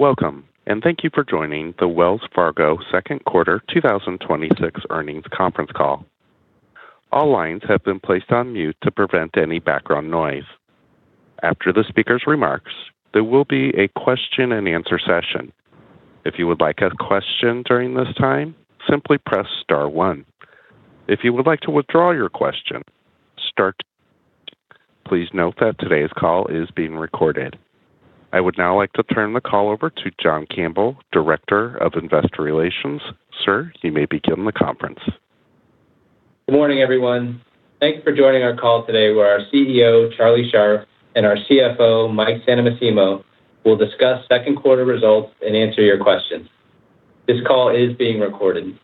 Welcome. Thank you for joining the Wells Fargo second quarter 2026 earnings conference call. All lines have been placed on mute to prevent any background noise. After the speaker's remarks, there will be a question and answer session. If you would like a question during this time, simply press star one. If you would like to withdraw your question, start. Please note that today's call is being recorded. I would now like to turn the call over to John Campbell, Director of Investor Relations. Sir, you may begin the conference. Good morning, everyone. Thanks for joining our call today where our CEO, Charlie Scharf, and our CFO, Mike Santomassimo, will discuss second quarter results and answer your questions. This call is being recorded.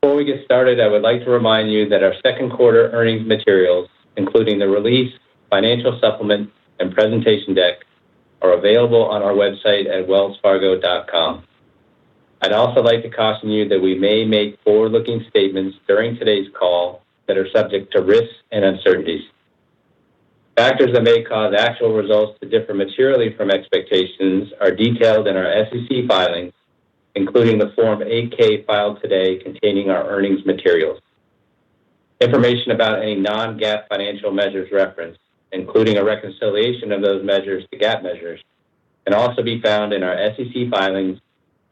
Before we get started, I would like to remind you that our second quarter earnings materials, including the release, financial supplement, and presentation deck, are available on our website at wellsfargo.com. I'd also like to caution you that we may make forward-looking statements during today's call that are subject to risks and uncertainties. Factors that may cause actual results to differ materially from expectations are detailed in our SEC filings, including the Form 8-K filed today containing our earnings materials. Information about any non-GAAP financial measures referenced, including a reconciliation of those measures to GAAP measures, can also be found in our SEC filings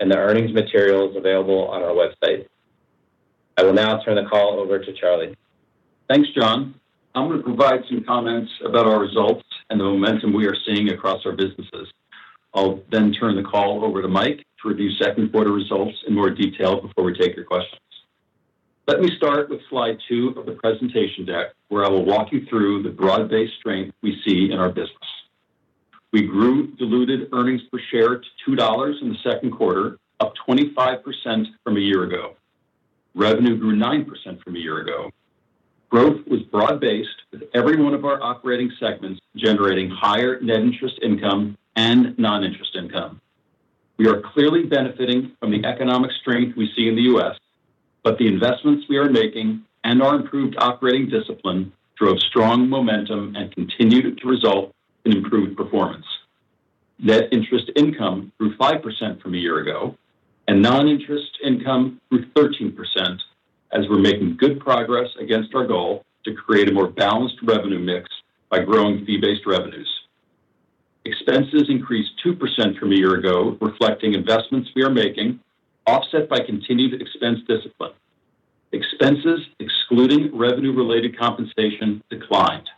and the earnings materials available on our website. I will now turn the call over to Charlie. Thanks, John. I'm going to provide some comments about our results and the momentum we are seeing across our businesses. I'll turn the call over to Mike to review second quarter results in more detail before we take your questions. Let me start with slide two of the presentation deck, where I will walk you through the broad-based strength we see in our business. We grew diluted earnings per share to $2 in the second quarter, up 25% from a year ago. Revenue grew 9% from a year ago. Growth was broad-based, with every one of our operating segments generating higher net interest income and non-interest income. We are clearly benefiting from the economic strength we see in the U.S., but the investments we are making and our improved operating discipline drove strong momentum and continued to result in improved performance. Net interest income grew 5% from a year ago, non-interest income grew 13% as we're making good progress against our goal to create a more balanced revenue mix by growing fee-based revenues. Expenses increased 2% from a year ago, reflecting investments we are making, offset by continued expense discipline. Expenses, excluding revenue-related compensation, declined.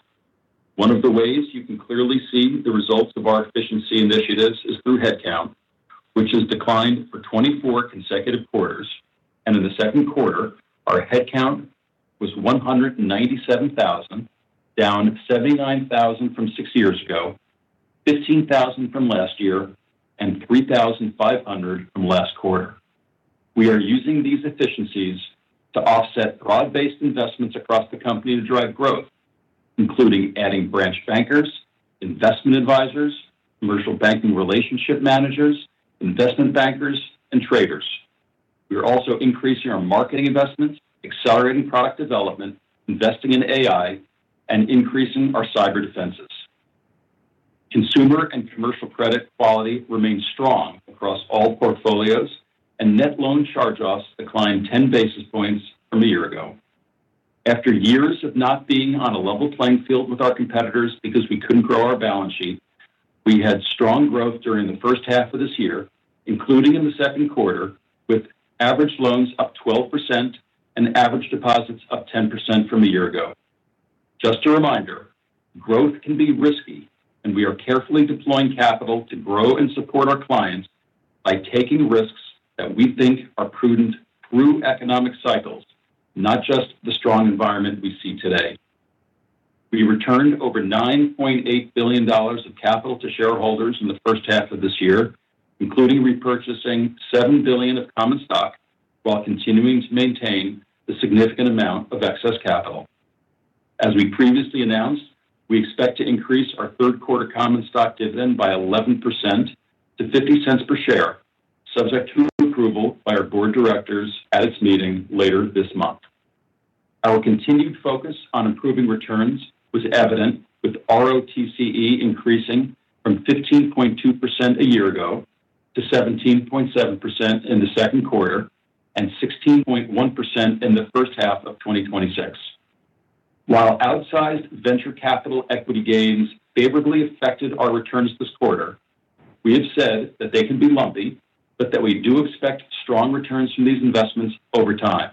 One of the ways you can clearly see the results of our efficiency initiatives is through headcount, which has declined for 24 consecutive quarters. In the second quarter, our headcount was 197,000, down 79,000 from six years ago, 15,000 from last year, and 3,500 from last quarter. We are using these efficiencies to offset broad-based investments across the company to drive growth, including adding branch bankers, investment advisors, commercial banking relationship managers, investment bankers, and traders. We are also increasing our marketing investments, accelerating product development, investing in AI, and increasing our cyber defenses. Consumer and commercial credit quality remains strong across all portfolios, net loan charge-offs declined 10 basis points from a year ago. After years of not being on a level playing field with our competitors because we couldn't grow our balance sheet, we had strong growth during the first half of this year, including in the second quarter, with average loans up 12% and average deposits up 10% from a year ago. Just a reminder, growth can be risky, and we are carefully deploying capital to grow and support our clients by taking risks that we think are prudent through economic cycles, not just the strong environment we see today. We returned over $9.8 billion of capital to shareholders in the first half of this year, including repurchasing $7 billion of common stock while continuing to maintain the significant amount of excess capital. As we previously announced, we expect to increase our third-quarter common stock dividend by 11% to $0.50 per share, subject to approval by our board of directors at its meeting later this month. Our continued focus on improving returns was evident, with ROTCE increasing from 15.2% a year ago to 17.7% in the second quarter and 16.1% in the first half of 2026. While outsized venture capital equity gains favorably affected our returns this quarter, we have said that they can be lumpy, but that we do expect strong returns from these investments over time.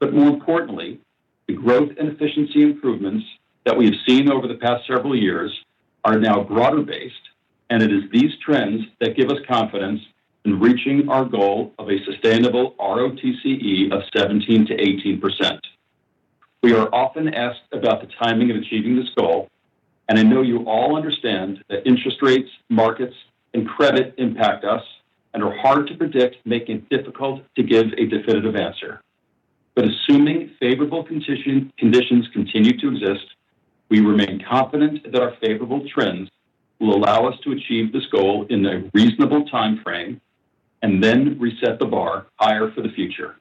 More importantly, the growth and efficiency improvements that we have seen over the past several years are now broader based, and it is these trends that give us confidence in reaching our goal of a sustainable ROTCE of 17%-18%. We are often asked about the timing of achieving this goal, I know you all understand that interest rates, markets, and credit impact us and are hard to predict, making it difficult to give a definitive answer. Assuming favorable conditions continue to exist, we remain confident that our favorable trends will allow us to achieve this goal in a reasonable timeframe and then reset the bar higher for the future.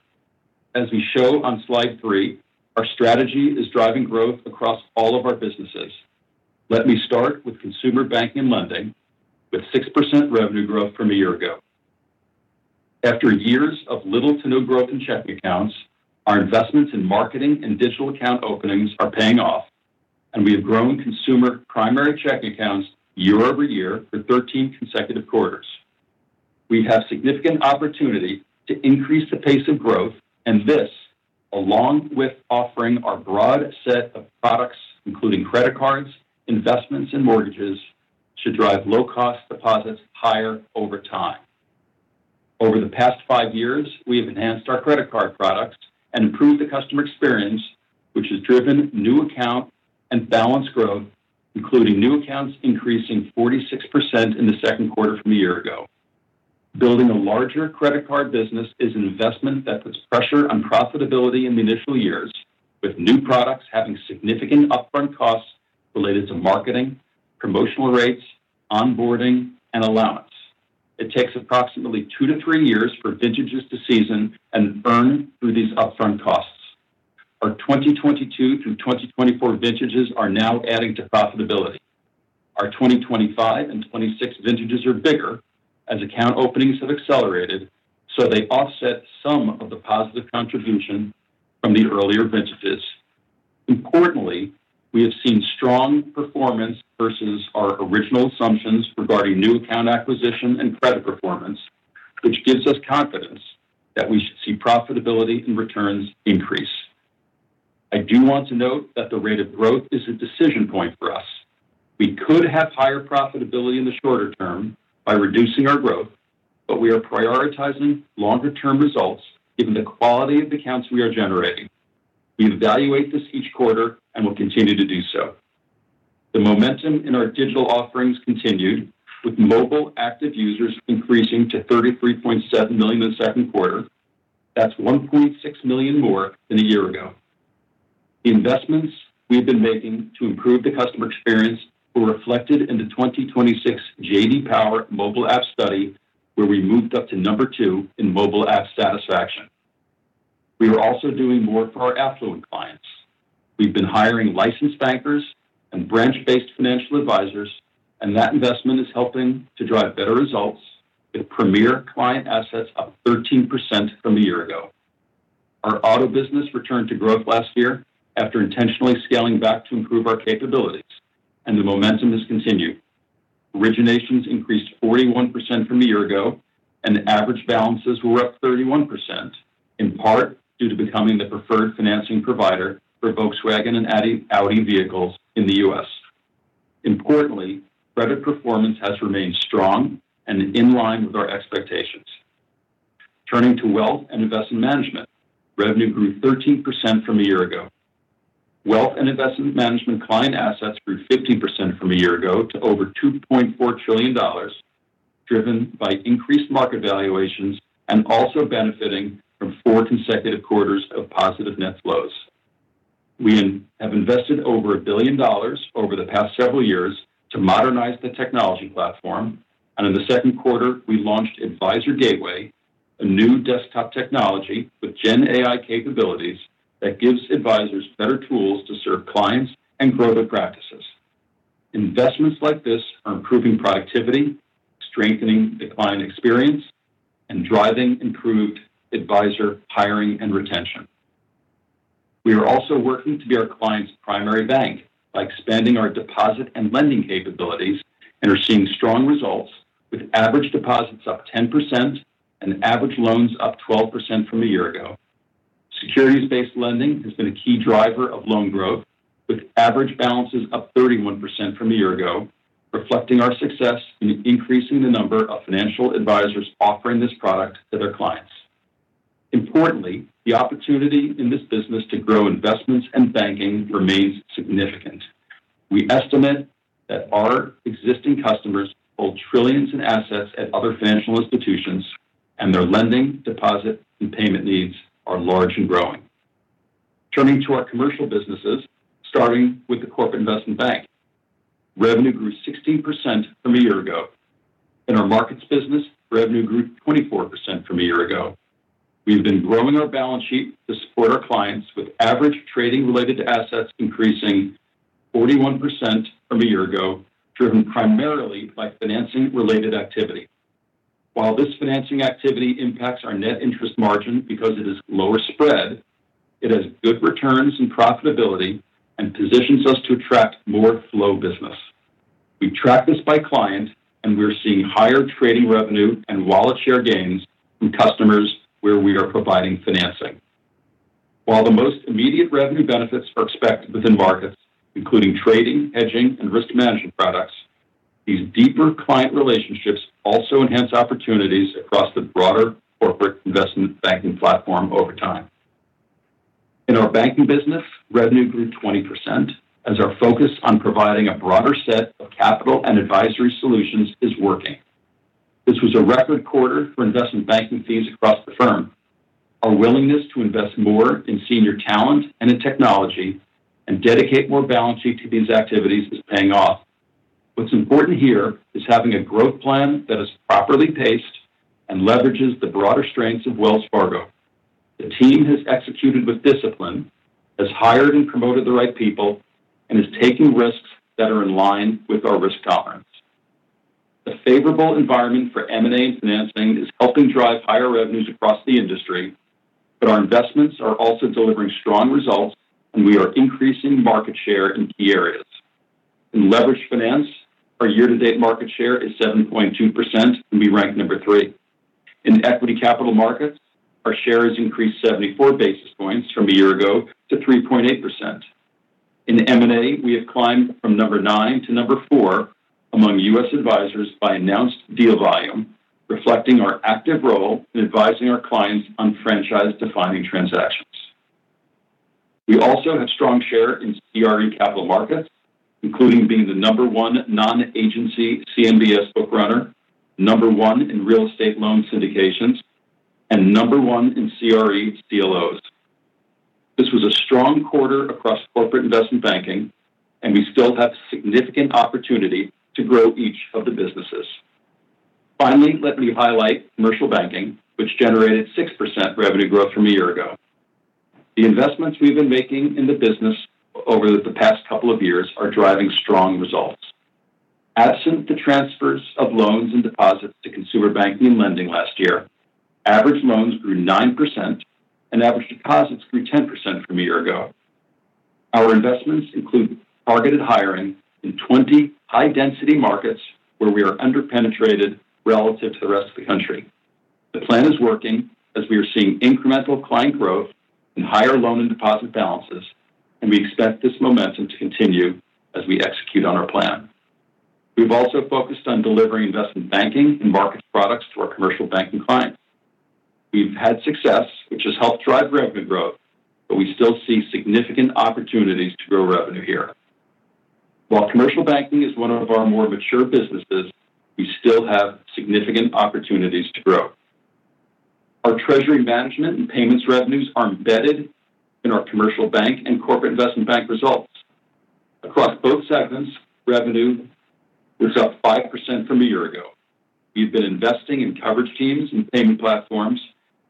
As we show on slide three, our strategy is driving growth across all of our businesses. Let me start with consumer banking lending, with 6% revenue growth from a year ago. After years of little to no growth in checking accounts, our investments in marketing and digital account openings are paying off, and we have grown consumer primary checking accounts year-over-year for 13 consecutive quarters. We have significant opportunity to increase the pace of growth, this, along with offering our broad set of products, including credit cards, investments, and mortgages, should drive low-cost deposits higher over time. Over the past five years, we have enhanced our credit card products and improved the customer experience, which has driven new account and balance growth, including new accounts increasing 46% in the second quarter from a year ago. Building a larger credit card business is an investment that puts pressure on profitability in the initial years, with new products having significant upfront costs related to marketing, promotional rates, onboarding, and allowance. It takes approximately two to three years for vintages to season and burn through these upfront costs. Our 2022 through 2024 vintages are now adding to profitability. Our 2025 and 2026 vintages are bigger as account openings have accelerated, they offset some of the positive contribution from the earlier vintages. Importantly, we have seen strong performance versus our original assumptions regarding new account acquisition and credit performance, which gives us confidence that we should see profitability and returns increase. I do want to note that the rate of growth is a decision point for us. We could have higher profitability in the shorter term by reducing our growth, we are prioritizing longer-term results given the quality of the accounts we are generating. We evaluate this each quarter and will continue to do so. The momentum in our digital offerings continued, with mobile active users increasing to 33.7 million in the second quarter. That's 1.6 million more than a year ago. The investments we have been making to improve the customer experience were reflected in the 2026 J.D. Power Mobile App study, where we moved up to number two in mobile app satisfaction. We are also doing more for our affluent clients. We've been hiring licensed bankers and branch-based financial advisors, that investment is helping to drive better results, with premier client assets up 13% from a year ago. Our auto business returned to growth last year after intentionally scaling back to improve our capabilities, the momentum has continued. Originations increased 41% from a year ago, and average balances were up 31%, in part due to becoming the preferred financing provider for Volkswagen and Audi vehicles in the U.S. Importantly, credit performance has remained strong and in line with our expectations. Turning to wealth and investment management. Revenue grew 13% from a year ago. Wealth and investment management client assets grew 15% from a year ago to over $2.4 trillion, driven by increased market valuations and also benefiting from four consecutive quarters of positive net flows. We have invested over $1 billion over the past several years to modernize the technology platform, in the second quarter, we launched Advisor Gateway, a new desktop technology with GenAI capabilities that gives advisors better tools to serve clients and grow their practices. Investments like this are improving productivity, strengthening the client experience, and driving improved advisor hiring and retention. We are also working to be our clients' primary bank by expanding our deposit and lending capabilities and are seeing strong results, with average deposits up 10% and average loans up 12% from a year ago. Securities-based lending has been a key driver of loan growth, with average balances up 31% from a year ago, reflecting our success in increasing the number of financial advisors offering this product to their clients. Importantly, the opportunity in this business to grow investments and banking remains significant. We estimate that our existing customers hold trillions in assets at other financial institutions, and their lending, deposit, and payment needs are large and growing. Turning to our commercial businesses, starting with the Corporate Investment Bank. Revenue grew 16% from a year ago. In our markets business, revenue grew 24% from a year ago. We've been growing our balance sheet to support our clients, with average trading-related assets increasing 41% from a year ago, driven primarily by financing-related activity. While this financing activity impacts our net interest margin because it is lower spread, it has good returns and profitability and positions us to attract more flow business. We track this by client, and we're seeing higher trading revenue and wallet share gains from customers where we are providing financing. While the most immediate revenue benefits are expected within markets, including trading, hedging, and risk management products, these deeper client relationships also enhance opportunities across the broader Corporate Investment Banking platform over time. In our banking business, revenue grew 20% as our focus on providing a broader set of capital and advisory solutions is working. This was a record quarter for investment banking fees across the firm. Our willingness to invest more in senior talent and in technology and dedicate more balance sheet to these activities is paying off. What's important here is having a growth plan that is properly paced and leverages the broader strengths of Wells Fargo. The team has executed with discipline, has hired and promoted the right people, and is taking risks that are in line with our risk tolerance. The favorable environment for M&A financing is helping drive higher revenues across the industry, but our investments are also delivering strong results, and we are increasing market share in key areas. In leveraged finance, our year-to-date market share is 7.2%, and we rank number three. In equity capital markets, our share has increased 74 basis points from a year ago to 3.8%. In M&A, we have climbed from number nine to number four among U.S. advisors by announced deal volume, reflecting our active role in advising our clients on franchise-defining transactions. We also have strong share in CRE capital markets, including being the number one non-agency CMBS book runner, number one in real estate loan syndications, and number one in CRE CLOs. This was a strong quarter across Corporate Investment Banking, and we still have significant opportunity to grow each of the businesses. Finally, let me highlight Commercial Banking, which generated 6% revenue growth from a year ago. The investments we've been making in the business over the past couple of years are driving strong results. Absent the transfers of loans and deposits to consumer banking and lending last year, average loans grew 9%, and average deposits grew 10% from a year ago. Our investments include targeted hiring in 20 high-density markets where we are under-penetrated relative to the rest of the country. The plan is working as we are seeing incremental client growth and higher loan and deposit balances. We expect this momentum to continue as we execute on our plan. We've also focused on delivering investment banking and market products to our commercial banking clients. We've had success, which has helped drive revenue growth. We still see significant opportunities to grow revenue here. While commercial banking is one of our more mature businesses, we still have significant opportunities to grow. Our treasury management and payments revenues are embedded in our commercial bank and corporate investment bank results. Across both segments, revenue was up 5% from a year ago. We've been investing in coverage teams and payment platforms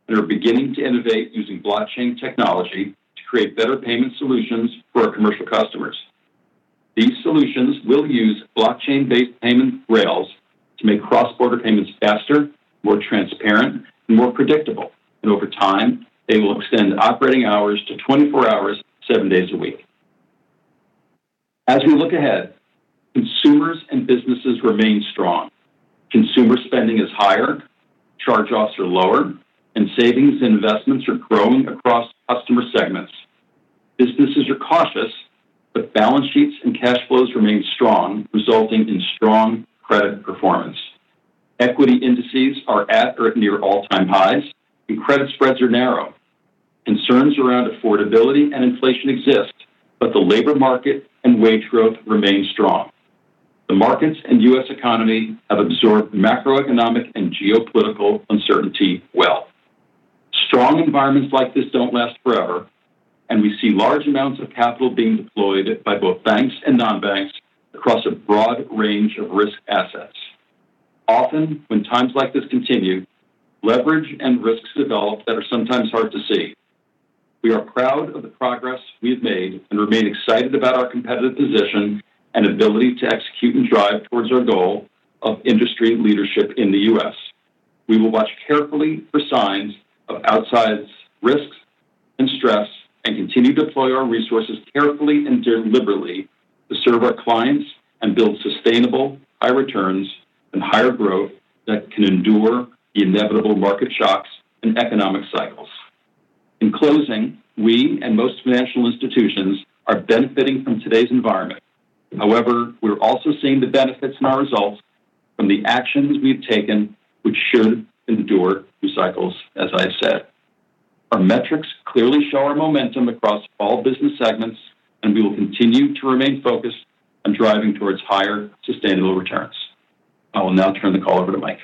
and are beginning to innovate using blockchain technology to create better payment solutions for our commercial customers. These solutions will use blockchain-based payment rails to make cross-border payments faster, more transparent, and more predictable. Over time, they will extend operating hours to 24 hours, seven days a week. As we look ahead, consumers and businesses remain strong. Consumer spending is higher, charge-offs are lower, and savings and investments are growing across customer segments. Businesses are cautious. Balance sheets and cash flows remain strong, resulting in strong credit performance. Equity indices are at or near all-time highs, and credit spreads are narrow. Concerns around affordability and inflation exist. The labor market and wage growth remain strong. The markets and U.S. economy have absorbed macroeconomic and geopolitical uncertainty well. Strong environments like this don't last forever. We see large amounts of capital being deployed by both banks and non-banks across a broad range of risk assets. Often, when times like this continue, leverage and risks develop that are sometimes hard to see. We are proud of the progress we have made and remain excited about our competitive position and ability to execute and drive towards our goal of industry leadership in the U.S. We will watch carefully for signs of outsized risks and stress and continue to deploy our resources carefully and deliberately to serve our clients and build sustainable high returns and higher growth that can endure the inevitable market shocks and economic cycles. In closing, we and most financial institutions are benefiting from today's environment. However, we're also seeing the benefits in our results from the actions we've taken, which should endure through cycles, as I said. Our metrics clearly show our momentum across all business segments. We will continue to remain focused on driving towards higher sustainable returns. I will now turn the call over to Mike.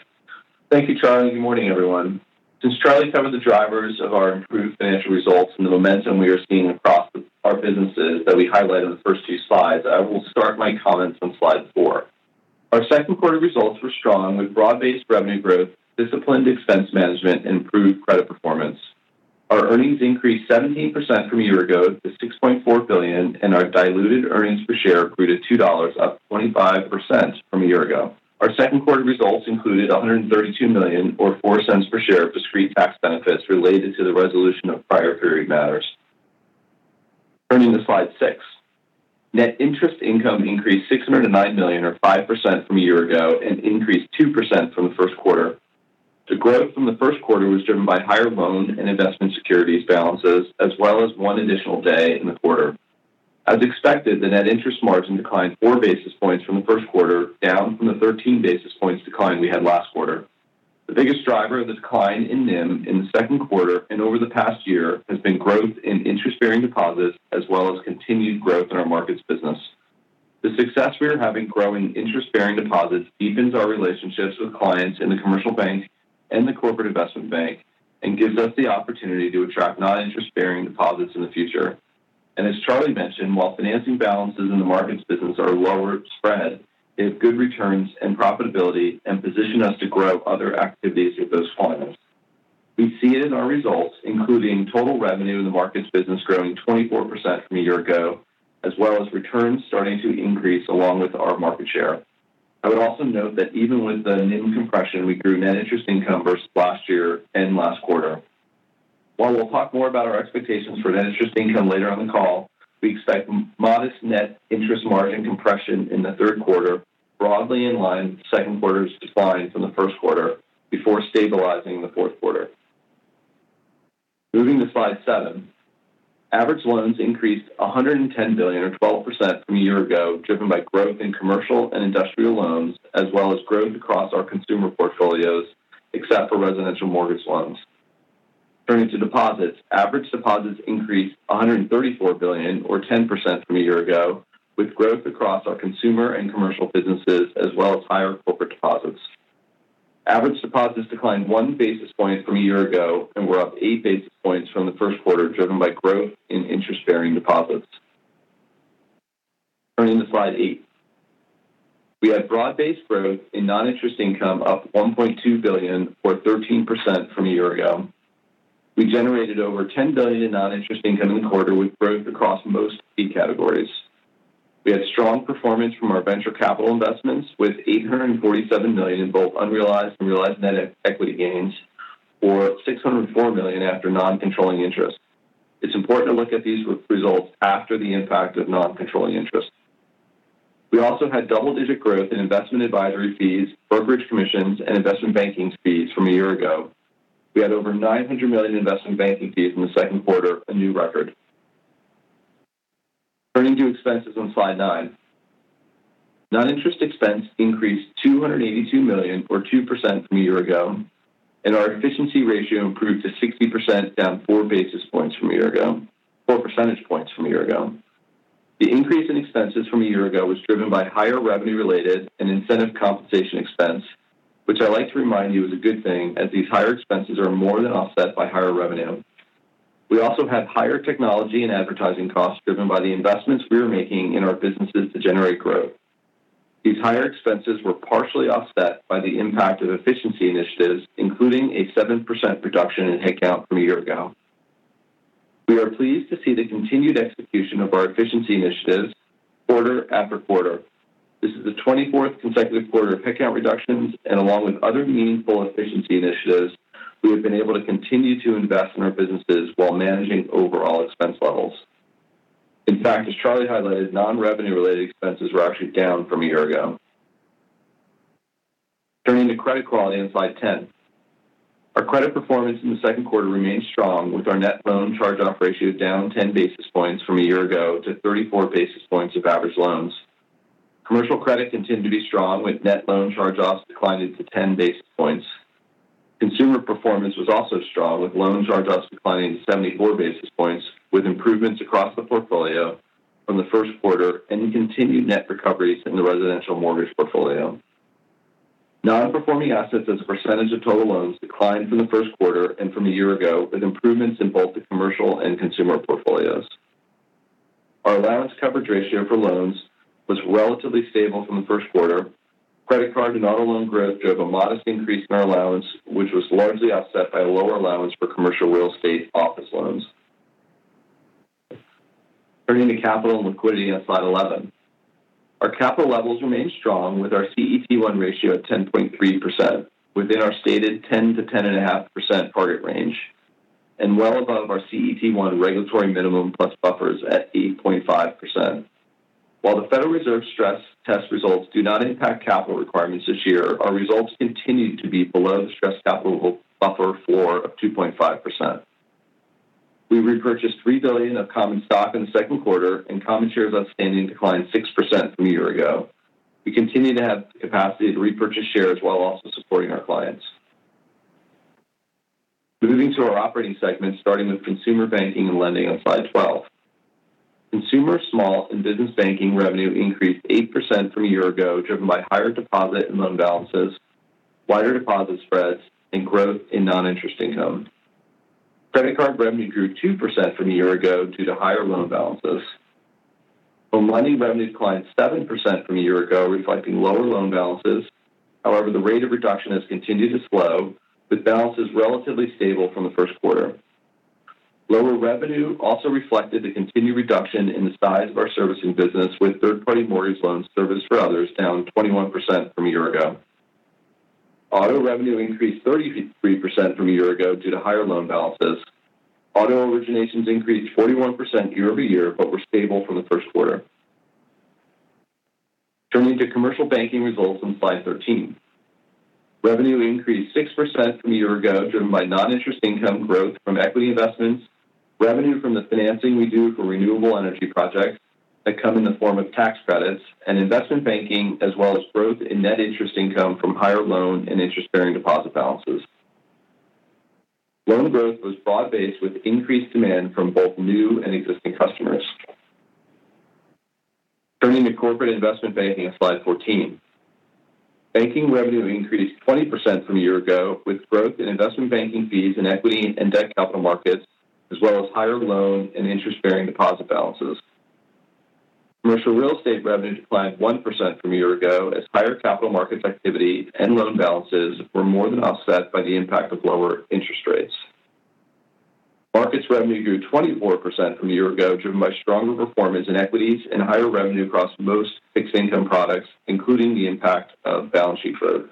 Thank you, Charlie. Good morning, everyone. Since Charlie covered the drivers of our improved financial results and the momentum we are seeing across our businesses that we highlighted in the first two slides, I will start my comments on slide four. Our second quarter results were strong with broad-based revenue growth, disciplined expense management, and improved credit performance. Our earnings increased 17% from a year ago to $6.4 billion, and our diluted earnings per share grew to $2, up 25% from a year ago. Our second quarter results included $132 million, or $0.04 per share, of discrete tax benefits related to the resolution of prior period matters. Turning to slide six. Net interest income increased $609 million or 5% from a year ago and increased 2% from the first quarter. The growth from the first quarter was driven by higher loan and investment securities balances, as well as one additional day in the quarter. As expected, the net interest margin declined four basis points from the first quarter, down from the 13 basis points decline we had last quarter. The biggest driver of the decline in NIM in the second quarter and over the past year has been growth in interest-bearing deposits, as well as continued growth in our markets business. The success we are having growing interest-bearing deposits deepens our relationships with clients in the commercial bank and the corporate investment bank and gives us the opportunity to attract non-interest-bearing deposits in the future. As Charlie mentioned, while financing balances in the markets business are lower spread, they have good returns and profitability and position us to grow other activities with those clients. We see it in our results, including total revenue in the markets business growing 24% from a year ago, as well as returns starting to increase along with our market share. I would also note that even with the NIM compression, we grew net interest income versus last year and last quarter. While we'll talk more about our expectations for net interest income later on the call, we expect modest net interest margin compression in the third quarter, broadly in line with second quarter's decline from the first quarter, before stabilizing in the fourth quarter. Moving to slide seven. Average loans increased $110 billion, or 12%, from a year ago, driven by growth in commercial and industrial loans, as well as growth across our consumer portfolios, except for residential mortgage loans. Turning to deposits. Average deposits increased $134 billion, or 10%, from a year ago, with growth across our consumer and commercial businesses, as well as higher corporate deposits. Average deposits declined one basis point from a year ago and were up eight basis points from the first quarter, driven by growth in interest-bearing deposits. Turning to slide eight. We had broad-based growth in non-interest income, up $1.2 billion or 13% from a year ago. We generated over $10 billion in non-interest income in the quarter with growth across most key categories. We had strong performance from our venture capital investments, with $847 million in both unrealized and realized net equity gains, or $604 million after non-controlling interest. It's important to look at these results after the impact of non-controlling interest. We also had double-digit growth in investment advisory fees, brokerage commissions, and investment banking fees from a year ago. We had over $900 million in investment banking fees in the second quarter, a new record. Turning to expenses on slide nine. Non-interest expense increased $282 million or 2% from a year ago, and our efficiency ratio improved to 60%, down four percentage points from a year ago. The increase in expenses from a year ago was driven by higher revenue-related and incentive compensation expense. Which I like to remind you is a good thing, as these higher expenses are more than offset by higher revenue. We also had higher technology and advertising costs driven by the investments we are making in our businesses to generate growth. These higher expenses were partially offset by the impact of efficiency initiatives, including a 7% reduction in head count from a year ago. We are pleased to see the continued execution of our efficiency initiatives quarter after quarter. This is the 24th consecutive quarter of head count reductions, and along with other meaningful efficiency initiatives, we have been able to continue to invest in our businesses while managing overall expense levels. In fact, as Charlie highlighted, non-revenue-related expenses were actually down from a year ago. Turning to credit quality on slide 10. Our credit performance in the second quarter remained strong, with our net loan charge-off ratio down 10 basis points from a year ago to 34 basis points of average loans. Commercial credit continued to be strong, with net loan charge-offs declining to 10 basis points. Consumer performance was also strong, with loan charge-offs declining 74 basis points, with improvements across the portfolio from the first quarter and continued net recoveries in the residential mortgage portfolio. Non-performing assets as a percentage of total loans declined from the first quarter and from a year ago, with improvements in both the commercial and consumer portfolios. Our allowance coverage ratio for loans was relatively stable from the first quarter. Credit card and auto loan growth drove a modest increase in our allowance, which was largely offset by a lower allowance for commercial real estate office loans. Turning to capital and liquidity on slide 11. Our capital levels remain strong, with our CET1 ratio at 10.3%, within our stated 10%-10.5% target range, and well above our CET1 regulatory minimum plus buffers at 8.5%. While the Federal Reserve stress test results do not impact capital requirements this year, our results continued to be below the stress capital buffer floor of 2.5%. We repurchased $3 billion of common stock in the second quarter, and common shares outstanding declined 6% from a year ago. We continue to have the capacity to repurchase shares while also supporting our clients. Moving to our operating segments, starting with consumer banking and lending on slide 12. Consumer, small, and business banking revenue increased 8% from a year ago, driven by higher deposit and loan balances, wider deposit spreads, and growth in non-interest income. Credit card revenue grew 2% from a year ago due to higher loan balances. Home lending revenue declined 7% from a year ago, reflecting lower loan balances. However, the rate of reduction has continued to slow, with balances relatively stable from the first quarter. Lower revenue also reflected the continued reduction in the size of our servicing business, with third-party mortgage loans serviced for others down 21% from a year ago. Auto revenue increased 33% from a year-ago due to higher loan balances. Auto originations increased 41% year-over-year, but were stable from the first quarter. Turning to Commercial Banking results on slide 13. Revenue increased 6% from a year-ago, driven by non-interest income growth from equity investments, revenue from the financing we do for renewable energy projects that come in the form of tax credits, and investment banking, as well as growth in net interest income from higher loan and interest-bearing deposit balances. Loan growth was broad-based, with increased demand from both new and existing customers. Turning to Corporate Investment Banking on slide 14. Banking revenue increased 20% from a year-ago with growth in investment banking fees and equity in debt capital markets, as well as higher loan and interest-bearing deposit balances. Commercial real estate revenue declined 1% from a year-ago as higher capital markets activity and loan balances were more than offset by the impact of lower interest rates. Markets revenue grew 24% from a year-ago, driven by stronger performance in equities and higher revenue across most fixed income products, including the impact of balance sheet growth.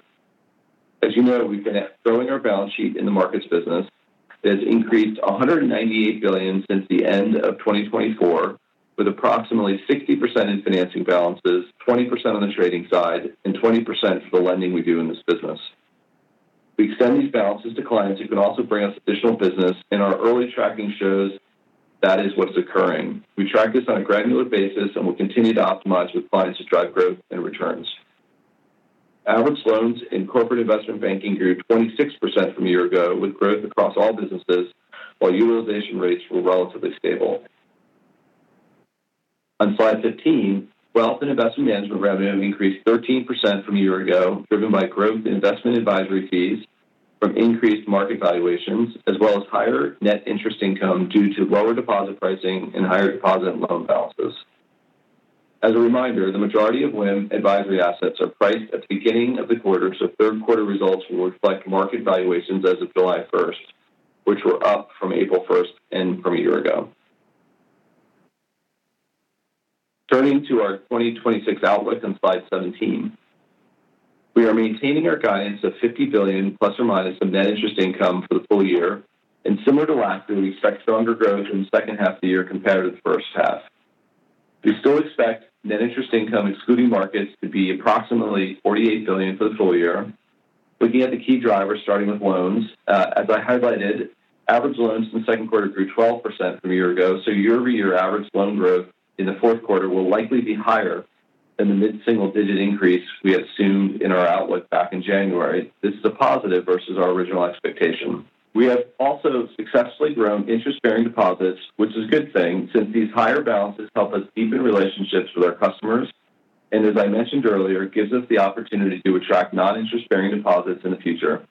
As you know, we've been growing our balance sheet in the markets business that has increased $198 billion since the end of 2024, with approximately 60% in financing balances, 20% on the trading side, and 20% for the lending we do in this business. We extend these balances to clients who can also bring us additional business. Our early tracking shows that is what's occurring. We track this on a granular basis. We'll continue to optimize with clients to drive growth and returns. Average loans in Corporate Investment Banking grew 26% from a year-ago, with growth across all businesses while utilization rates were relatively stable. On slide 15, Wealth and Investment Management revenue increased 13% from a year-ago, driven by growth in investment advisory fees from increased market valuations, as well as higher net interest income due to lower deposit pricing and higher deposit and loan balances. As a reminder, the majority of WIM advisory assets are priced at the beginning of the quarter, so third-quarter results will reflect market valuations as of July 1st, which were up from April 1st and from a year-ago. Turning to our 2026 outlook on slide 17. We are maintaining our guidance of $50 billion ± of net interest income for the full year. Similar to last year, we expect stronger growth in the second half of the year compared to the first half. We still expect net interest income, excluding markets, to be approximately $48 billion for the full year. Looking at the key drivers, starting with loans. As I highlighted, average loans in the second quarter grew 12% from a year-ago. Year-over-year average loan growth in the fourth quarter will likely be higher than the mid-single-digit increase we assumed in our outlook back in January. This is a positive versus our original expectation. We have also successfully grown interest-bearing deposits, which is a good thing since these higher balances help us deepen relationships with our customers, and as I mentioned earlier, gives us the opportunity to attract non-interest-bearing deposits in the future.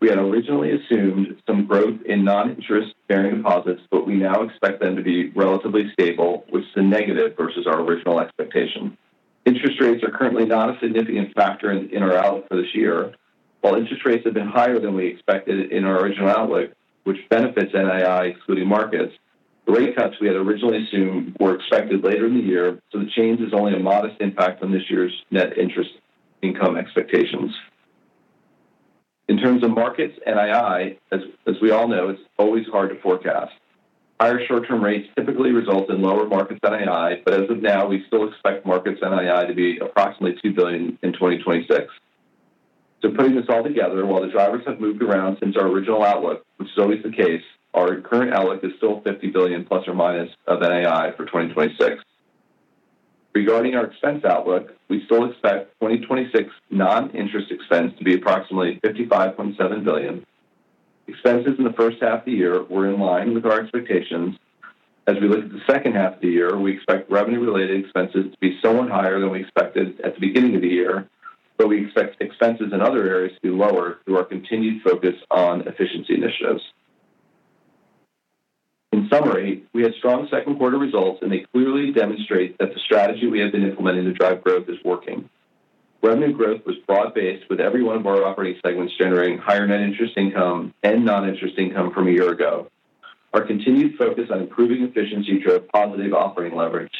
We had originally assumed some growth in non-interest-bearing deposits, but we now expect them to be relatively stable, which is a negative versus our original expectation. Interest rates are currently not a significant factor in our outlook for this year. While interest rates have been higher than we expected in our original outlook, which benefits NII excluding markets, the rate cuts we had originally assumed were expected later in the year, so the change is only a modest impact on this year's net interest income expectations. In terms of markets NII, as we all know, it's always hard to forecast. Higher short-term rates typically result in lower markets NII, but as of now, we still expect markets NII to be approximately $2 billion in 2026. Putting this all together, while the drivers have moved around since our original outlook, which is always the case, our current outlook is still $50 billion ± of NII for 2026. Regarding our expense outlook, we still expect 2026 non-interest expense to be approximately $55.7 billion. Expenses in the first half of the year were in line with our expectations. As we look at the second half of the year, we expect revenue-related expenses to be somewhat higher than we expected at the beginning of the year, but we expect expenses in other areas to be lower through our continued focus on efficiency initiatives. In summary, we had strong second quarter results, and they clearly demonstrate that the strategy we have been implementing to drive growth is working. Revenue growth was broad-based, with every one of our operating segments generating higher net interest income and non-interest income from a year ago. Our continued focus on improving efficiency drove positive operating leverage.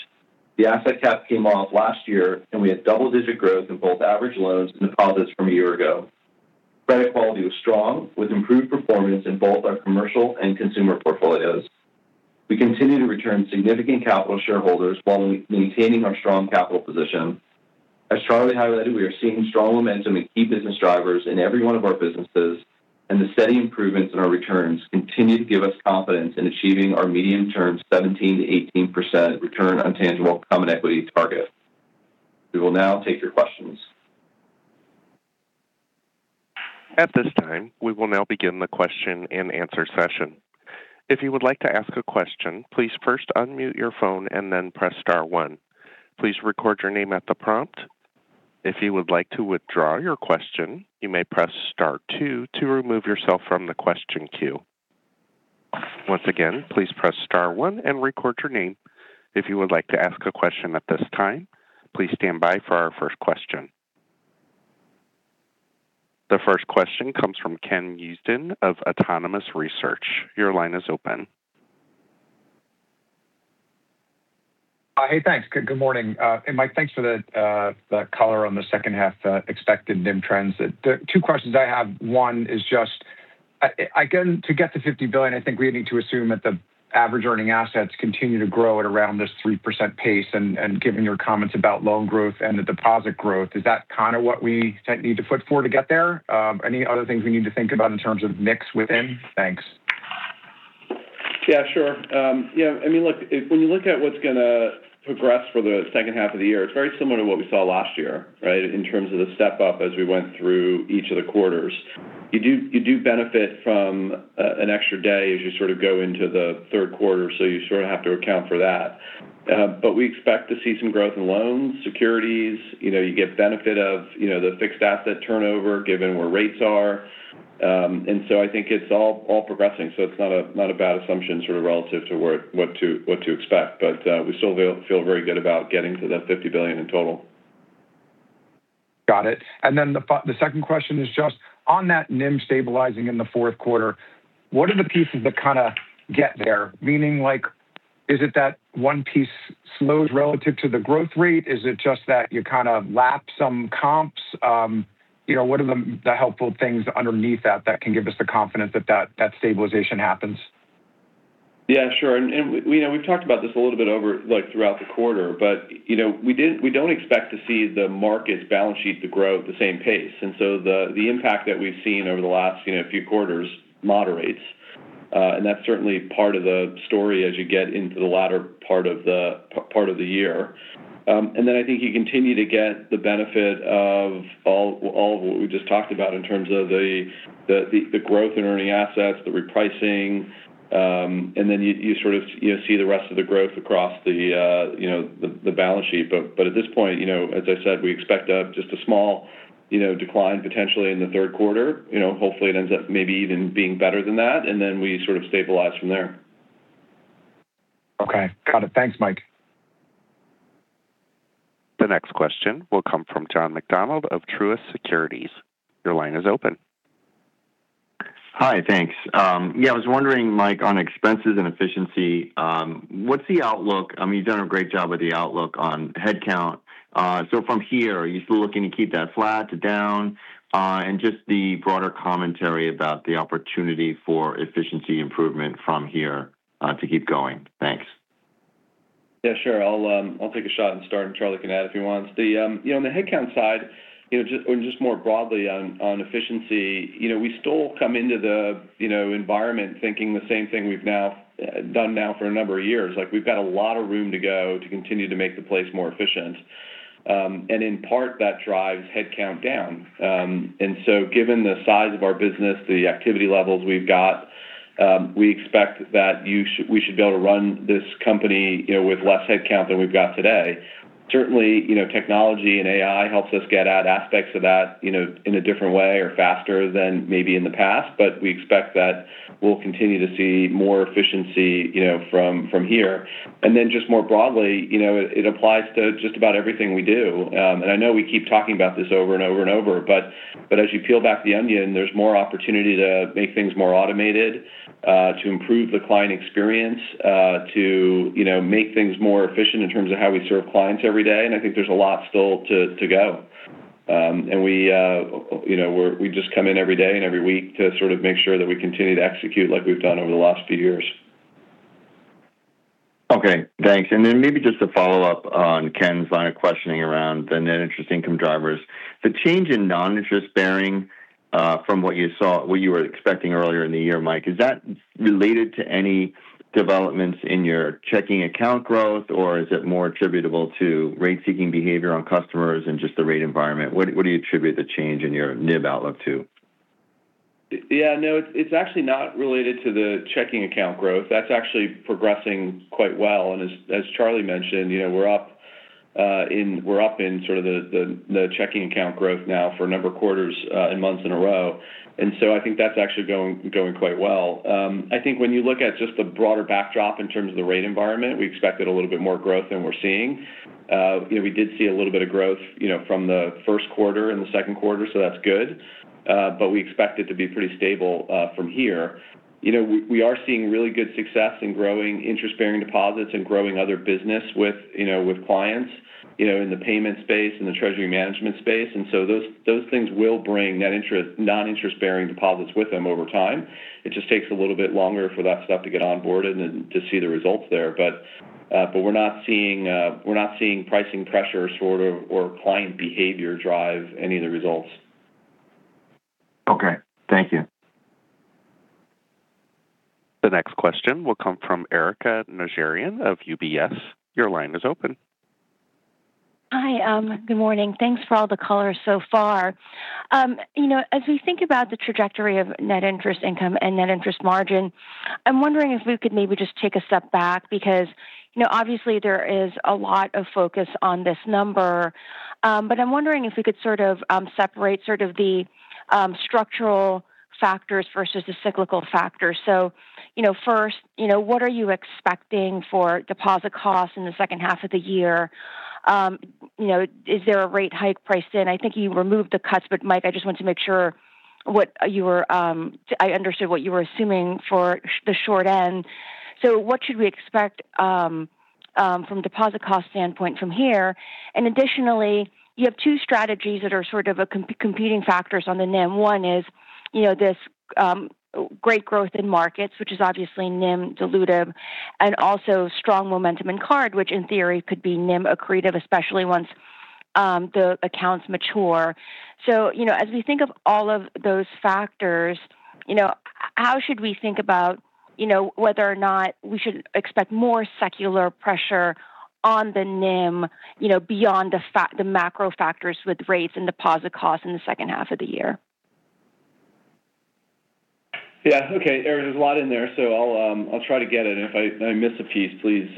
The asset cap came off last year, and we had double-digit growth in both average loans and deposits from a year ago. Credit quality was strong, with improved performance in both our commercial and consumer portfolios. We continue to return significant capital to shareholders while maintaining our strong capital position. As Charlie highlighted, we are seeing strong momentum in key business drivers in every one of our businesses, and the steady improvements in our returns continue to give us confidence in achieving our medium-term 17%-18% return on tangible common equity target. We will now take your questions. At this time, we will now begin the question-and-answer session. If you would like to ask a question, please first unmute your phone and then press star one. Please record your name at the prompt. If you would like to withdraw your question, you may press star two to remove yourself from the question queue. Once again, please press star one and record your name if you would like to ask a question at this time. Please stand by for our first question. The first question comes from Ken Usdin of Autonomous Research. Your line is open. Hey, thanks. Good morning. Mike, thanks for the color on the second half expected NIM trends. Two questions I have. One is just, to get to $50 billion, I think we need to assume that the average earning assets continue to grow at around this 3% pace, and given your comments about loan growth and the deposit growth, is that kind of what we need to put forward to get there? Any other things we need to think about in terms of mix within? Thanks. Yeah, sure. Look, when you look at what's going to progress for the second half of the year, it's very similar to what we saw last year, right, in terms of the step-up as we went through each of the quarters. You do benefit from an extra day as you go into the third quarter, so you sort of have to account for that. We expect to see some growth in loans, securities. You get benefit of the fixed asset turnover given where rates are. I think it's all progressing. It's not a bad assumption sort of relative to what to expect. We still feel very good about getting to that $50 billion in total. Got it. The second question is just on that NIM stabilizing in the fourth quarter, what are the pieces that kind of get there? Meaning, is it that one piece slows relative to the growth rate? Is it just that you kind of lap some comps? What are the helpful things underneath that can give us the confidence that that stabilization happens? Yeah, sure. We've talked about this a little bit over throughout the quarter. We don't expect to see the markets balance sheet to grow at the same pace. The impact that we've seen over the last few quarters moderates. That's certainly part of the story as you get into the latter part of the year. I think you continue to get the benefit of all of what we just talked about in terms of the growth in earning assets, the repricing. You sort of see the rest of the growth across the balance sheet. At this point, as I said, we expect just a small decline potentially in the third quarter. Hopefully it ends up maybe even being better than that, then we sort of stabilize from there. Okay. Got it. Thanks, Mike. The next question will come from John McDonald of Truist Securities. Your line is open. Hi. Thanks. I was wondering, Mike, on expenses and efficiency, what's the outlook? I mean, you've done a great job with the outlook on head count. From here, are you still looking to keep that flat to down? Just the broader commentary about the opportunity for efficiency improvement from here to keep going. Thanks. Yeah, sure. I'll take a shot and start, and Charlie can add if he wants. On the head count side, or just more broadly on efficiency, we still come into the environment thinking the same thing we've now done for a number of years. We've got a lot of room to go to continue to make the place more efficient. In part, that drives head count down. Given the size of our business, the activity levels we've got, we expect that we should be able to run this company with less head count than we've got today. Certainly, technology and AI helps us get at aspects of that in a different way or faster than maybe in the past. We expect that we'll continue to see more efficiency from here. Just more broadly, it applies to just about everything we do. I know we keep talking about this over and over and over, but as you peel back the onion, there's more opportunity to make things more automated, to improve the client experience, to make things more efficient in terms of how we serve clients every day, and I think there's a lot still to go. We just come in every day and every week to sort of make sure that we continue to execute like we've done over the last few years. Okay. Thanks. Maybe just to follow up on Ken's line of questioning around the net interest income drivers. The change in non-interest bearing from what you were expecting earlier in the year, Mike. Is that related to any developments in your checking account growth, or is it more attributable to rate-seeking behavior on customers and just the rate environment? What do you attribute the change in your NIB outlook to? No, it's actually not related to the checking account growth. That's actually progressing quite well. As Charlie mentioned, we're up in sort of the checking account growth now for a number of quarters and months in a row. I think that's actually going quite well. I think when you look at just the broader backdrop in terms of the rate environment, we expected a little bit more growth than we're seeing. We did see a little bit of growth from the first quarter and the second quarter, so that's good. We expect it to be pretty stable from here. We are seeing really good success in growing interest-bearing deposits and growing other business with clients in the payment space and the treasury management space. Those things will bring non-interest-bearing deposits with them over time. It just takes a little bit longer for that stuff to get onboarded and to see the results there. We're not seeing pricing pressure sort of, or client behavior drive any of the results. Okay. Thank you. The next question will come from Erika Najarian of UBS. Your line is open. Hi. Good morning. Thanks for all the color so far. As we think about the trajectory of net interest income and net interest margin, I'm wondering if we could maybe just take a step back because obviously there is a lot of focus on this number. I'm wondering if we could sort of separate sort of the structural factors versus the cyclical factors. First, what are you expecting for deposit costs in the second half of the year? Is there a rate hike priced in? I think you removed the cuts, Mike, I just wanted to make sure I understood what you were assuming for the short end. What should we expect from deposit cost standpoint from here? Additionally, you have two strategies that are sort of competing factors on the NIM. One is this great growth in markets, which is obviously NIM dilutive, also strong momentum in card, which in theory could be NIM accretive, especially once the accounts mature. As we think of all of those factors, how should we think about whether or not we should expect more secular pressure on the NIM beyond the macro factors with rates and deposit costs in the second half of the year? Okay. Erika, there's a lot in there, I'll try to get it. If I miss a piece, please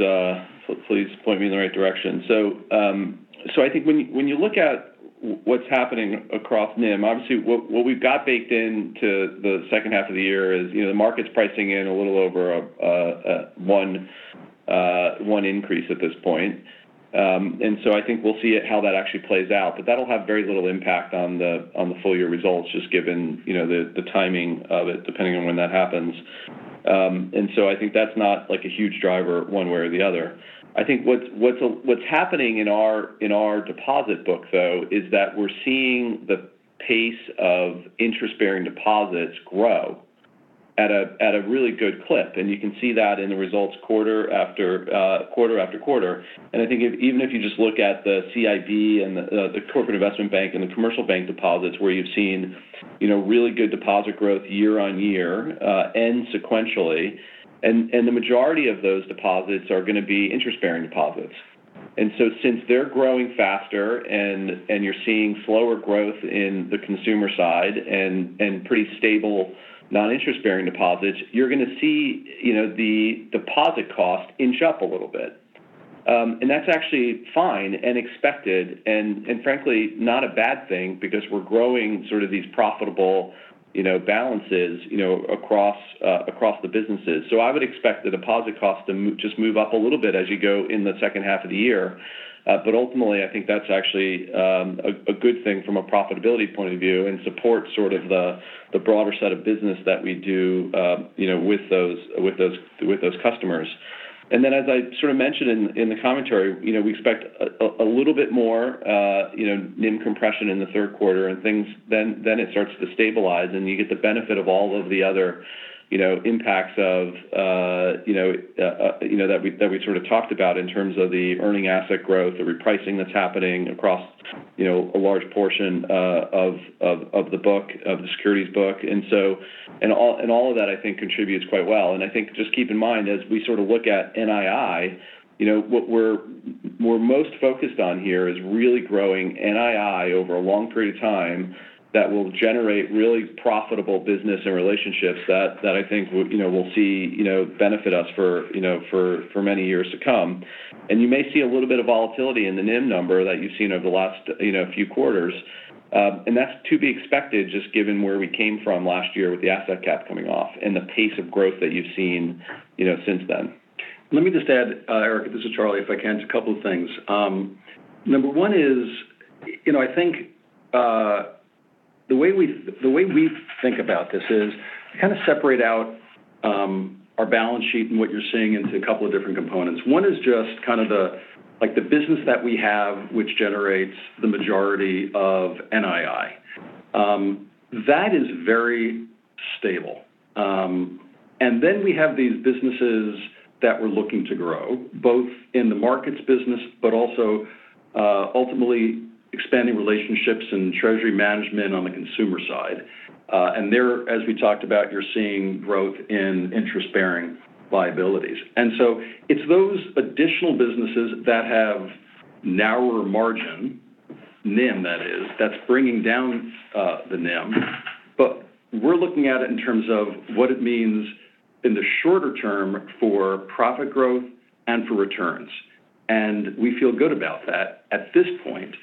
point me in the right direction. I think when you look at what's happening across NIM, obviously what we've got baked into the second half of the year is the market's pricing in a little over one increase at this point. I think we'll see how that actually plays out. That'll have very little impact on the full year results, just given the timing of it, depending on when that happens. I think that's not a huge driver one way or the other. I think what's happening in our deposit book, though, is that we're seeing the pace of interest-bearing deposits grow at a really good clip. You can see that in the results quarter after quarter. I think even if you just look at the CIB, the Corporate Investment Bank, and the commercial bank deposits where you've seen really good deposit growth year-on-year, sequentially, the majority of those deposits are going to be interest-bearing deposits. Since they're growing faster and you're seeing slower growth in the consumer side and pretty stable non-interest-bearing deposits, you're going to see the deposit cost inch up a little bit. That's actually fine and expected, frankly, not a bad thing because we're growing sort of these profitable balances across the businesses. I would expect the deposit cost to just move up a little bit as you go in the second half of the year. Ultimately, I think that's actually a good thing from a profitability point of view and supports sort of the broader set of business that we do with those customers. As I sort of mentioned in the commentary, we expect a little bit more NIM compression in the third quarter. It starts to stabilize, and you get the benefit of all of the other impacts that we sort of talked about in terms of the earning asset growth, the repricing that's happening across a large portion of the securities book. All of that I think contributes quite well. I think just keep in mind, as we sort of look at NII, what we're most focused on here is really growing NII over a long period of time that will generate really profitable business and relationships that I think will see benefit us for many years to come. You may see a little bit of volatility in the NIM number that you've seen over the last few quarters. That's to be expected just given where we came from last year with the asset cap coming off and the pace of growth that you've seen since then. Let me just add, Erika, this is Charlie, if I can, just a couple of things. Number one is, I think the way we think about this is kind of separate out our balance sheet and what you're seeing into a couple of different components. One is just kind of the business that we have which generates the majority of NII. That is very stable. Then we have these businesses that we're looking to grow, both in the markets business, but also ultimately expanding relationships and treasury management on the consumer side. There, as we talked about, you're seeing growth in interest-bearing liabilities. It's those additional businesses that have narrower margin, NIM that is, that's bringing down the NIM. We're looking at it in terms of what it means in the shorter term for profit growth and for returns. We feel good about that at this point.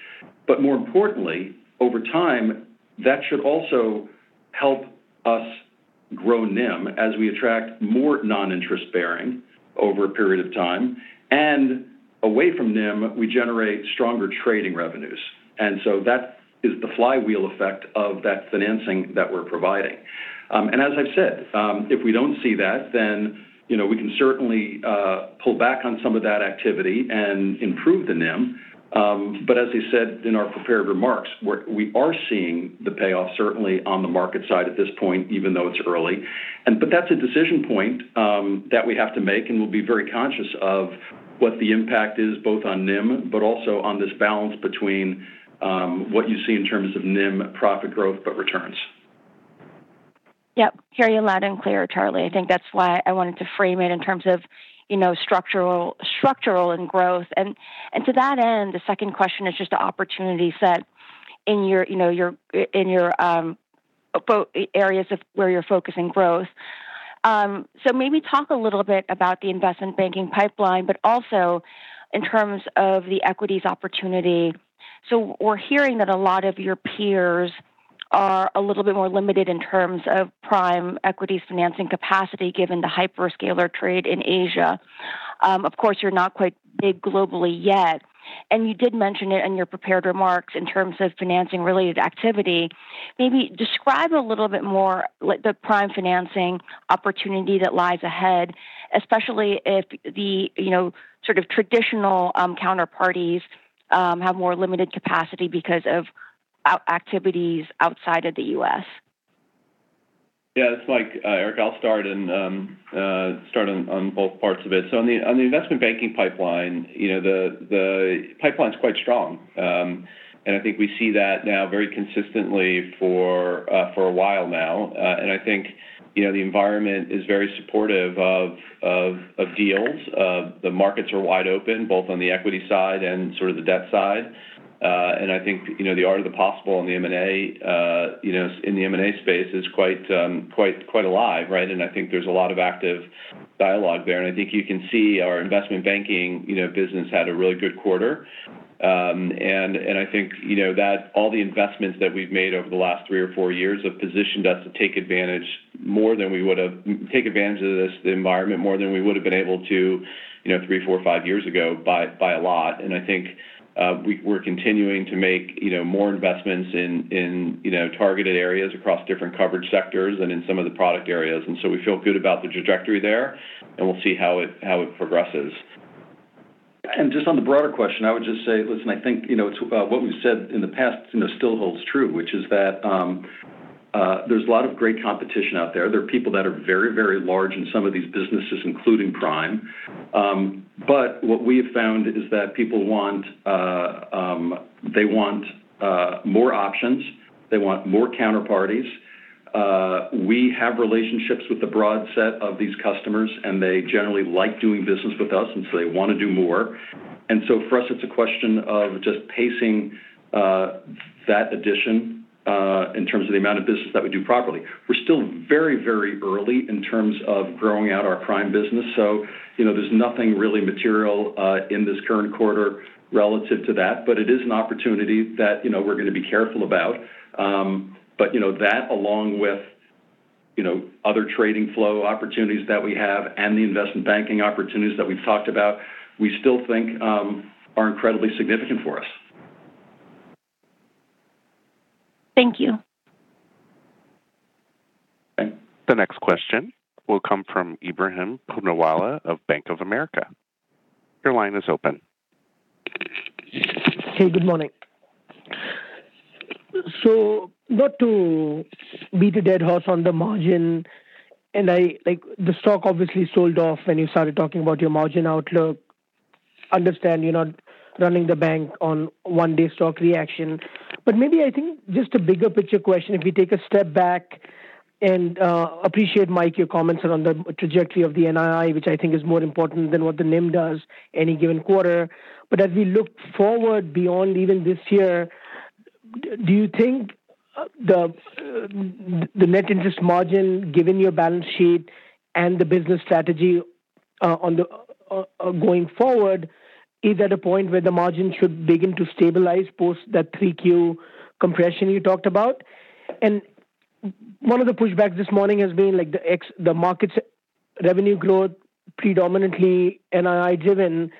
More importantly, over time, that should also help us grow NIM as we attract more non-interest bearing over a period of time. Away from NIM, we generate stronger trading revenues. That is the flywheel effect of that financing that we're providing. As I've said, if we don't see that, then we can certainly pull back on some of that activity and improve the NIM. As we said in our prepared remarks, we are seeing the payoff certainly on the market side at this point, even though it's early. That's a decision point that we have to make, and we'll be very conscious of what the impact is both on NIM, also on this balance between what you see in terms of NIM profit growth, returns. Yep. Hear you loud and clear, Charlie. I think that is why I wanted to frame it in terms of structural and growth. To that end, the second question is just the opportunity set in your areas of where you are focusing growth. Maybe talk a little bit about the investment banking pipeline, but also in terms of the equities opportunity. We are hearing that a lot of your peers are a little bit more limited in terms of Prime equities financing capacity given the hyperscaler trade in Asia. Of course, you are not quite big globally yet, and you did mention it in your prepared remarks in terms of financing related activity. Maybe describe a little bit more the Prime financing opportunity that lies ahead, especially if the sort of traditional counterparties have more limited capacity because of activities outside of the U.S. Yeah. It is like, Erika, I will start on both parts of it. On the investment banking pipeline, the pipeline is quite strong. I think we see that now very consistently for a while now. I think the environment is very supportive of deals. The markets are wide open, both on the equity side and sort of the debt side. I think the art of the possible in the M&A space is quite alive, right? I think there is a lot of active dialogue there. I think you can see our investment banking business had a really good quarter. I think that all the investments that we have made over the last three or four years have positioned us to take advantage of this environment more than we would have been able to three, four, five years ago by a lot. I think we are continuing to make more investments in targeted areas across different coverage sectors and in some of the product areas. We feel good about the trajectory there, and we will see how it progresses. Just on the broader question, I would just say, listen, I think what we have said in the past still holds true, which is that there is a lot of great competition out there. There are people that are very large in some of these businesses, including Prime. What we have found is that people want more options. They want more counterparties. We have relationships with a broad set of these customers, and they generally like doing business with us, and so they want to do more. For us, it is a question of just pacing that addition in terms of the amount of business that we do properly. We are still very early in terms of growing out our Prime business. There is nothing really material in this current quarter relative to that. It is an opportunity that we are going to be careful about. That along with other trading flow opportunities that we have and the investment banking opportunities that we've talked about, we still think are incredibly significant for us. Thank you. The next question will come from Ebrahim Poonawala of Bank of America. Your line is open. Hey, good morning. Not to beat a dead horse on the margin, and the stock obviously sold off when you started talking about your margin outlook. Understand you're not running the bank on one day stock reaction. Maybe I think just a bigger picture question, if we take a step back, and appreciate, Mike, your comments around the trajectory of the NII, which I think is more important than what the NIM does any given quarter. As we look forward beyond even this year, do you think the net interest margin, given your balance sheet and the business strategy going forward, is at a point where the margin should begin to stabilize post that 3Q compression you talked about? One of the pushbacks this morning has been the markets revenue growth predominantly NII driven.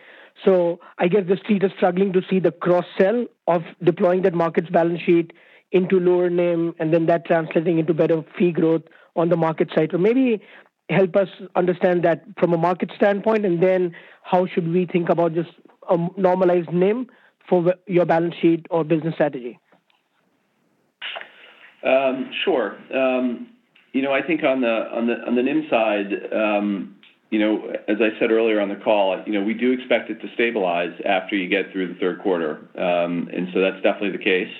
I guess the street is struggling to see the cross sell of deploying that market's balance sheet into lower NIM, and then that translating into better fee growth on the market side. Maybe help us understand that from a market standpoint, and then how should we think about just a normalized NIM for your balance sheet or business strategy? Sure. I think on the NIM side, as I said earlier on the call, we do expect it to stabilize after you get through the third quarter. That's definitely the case.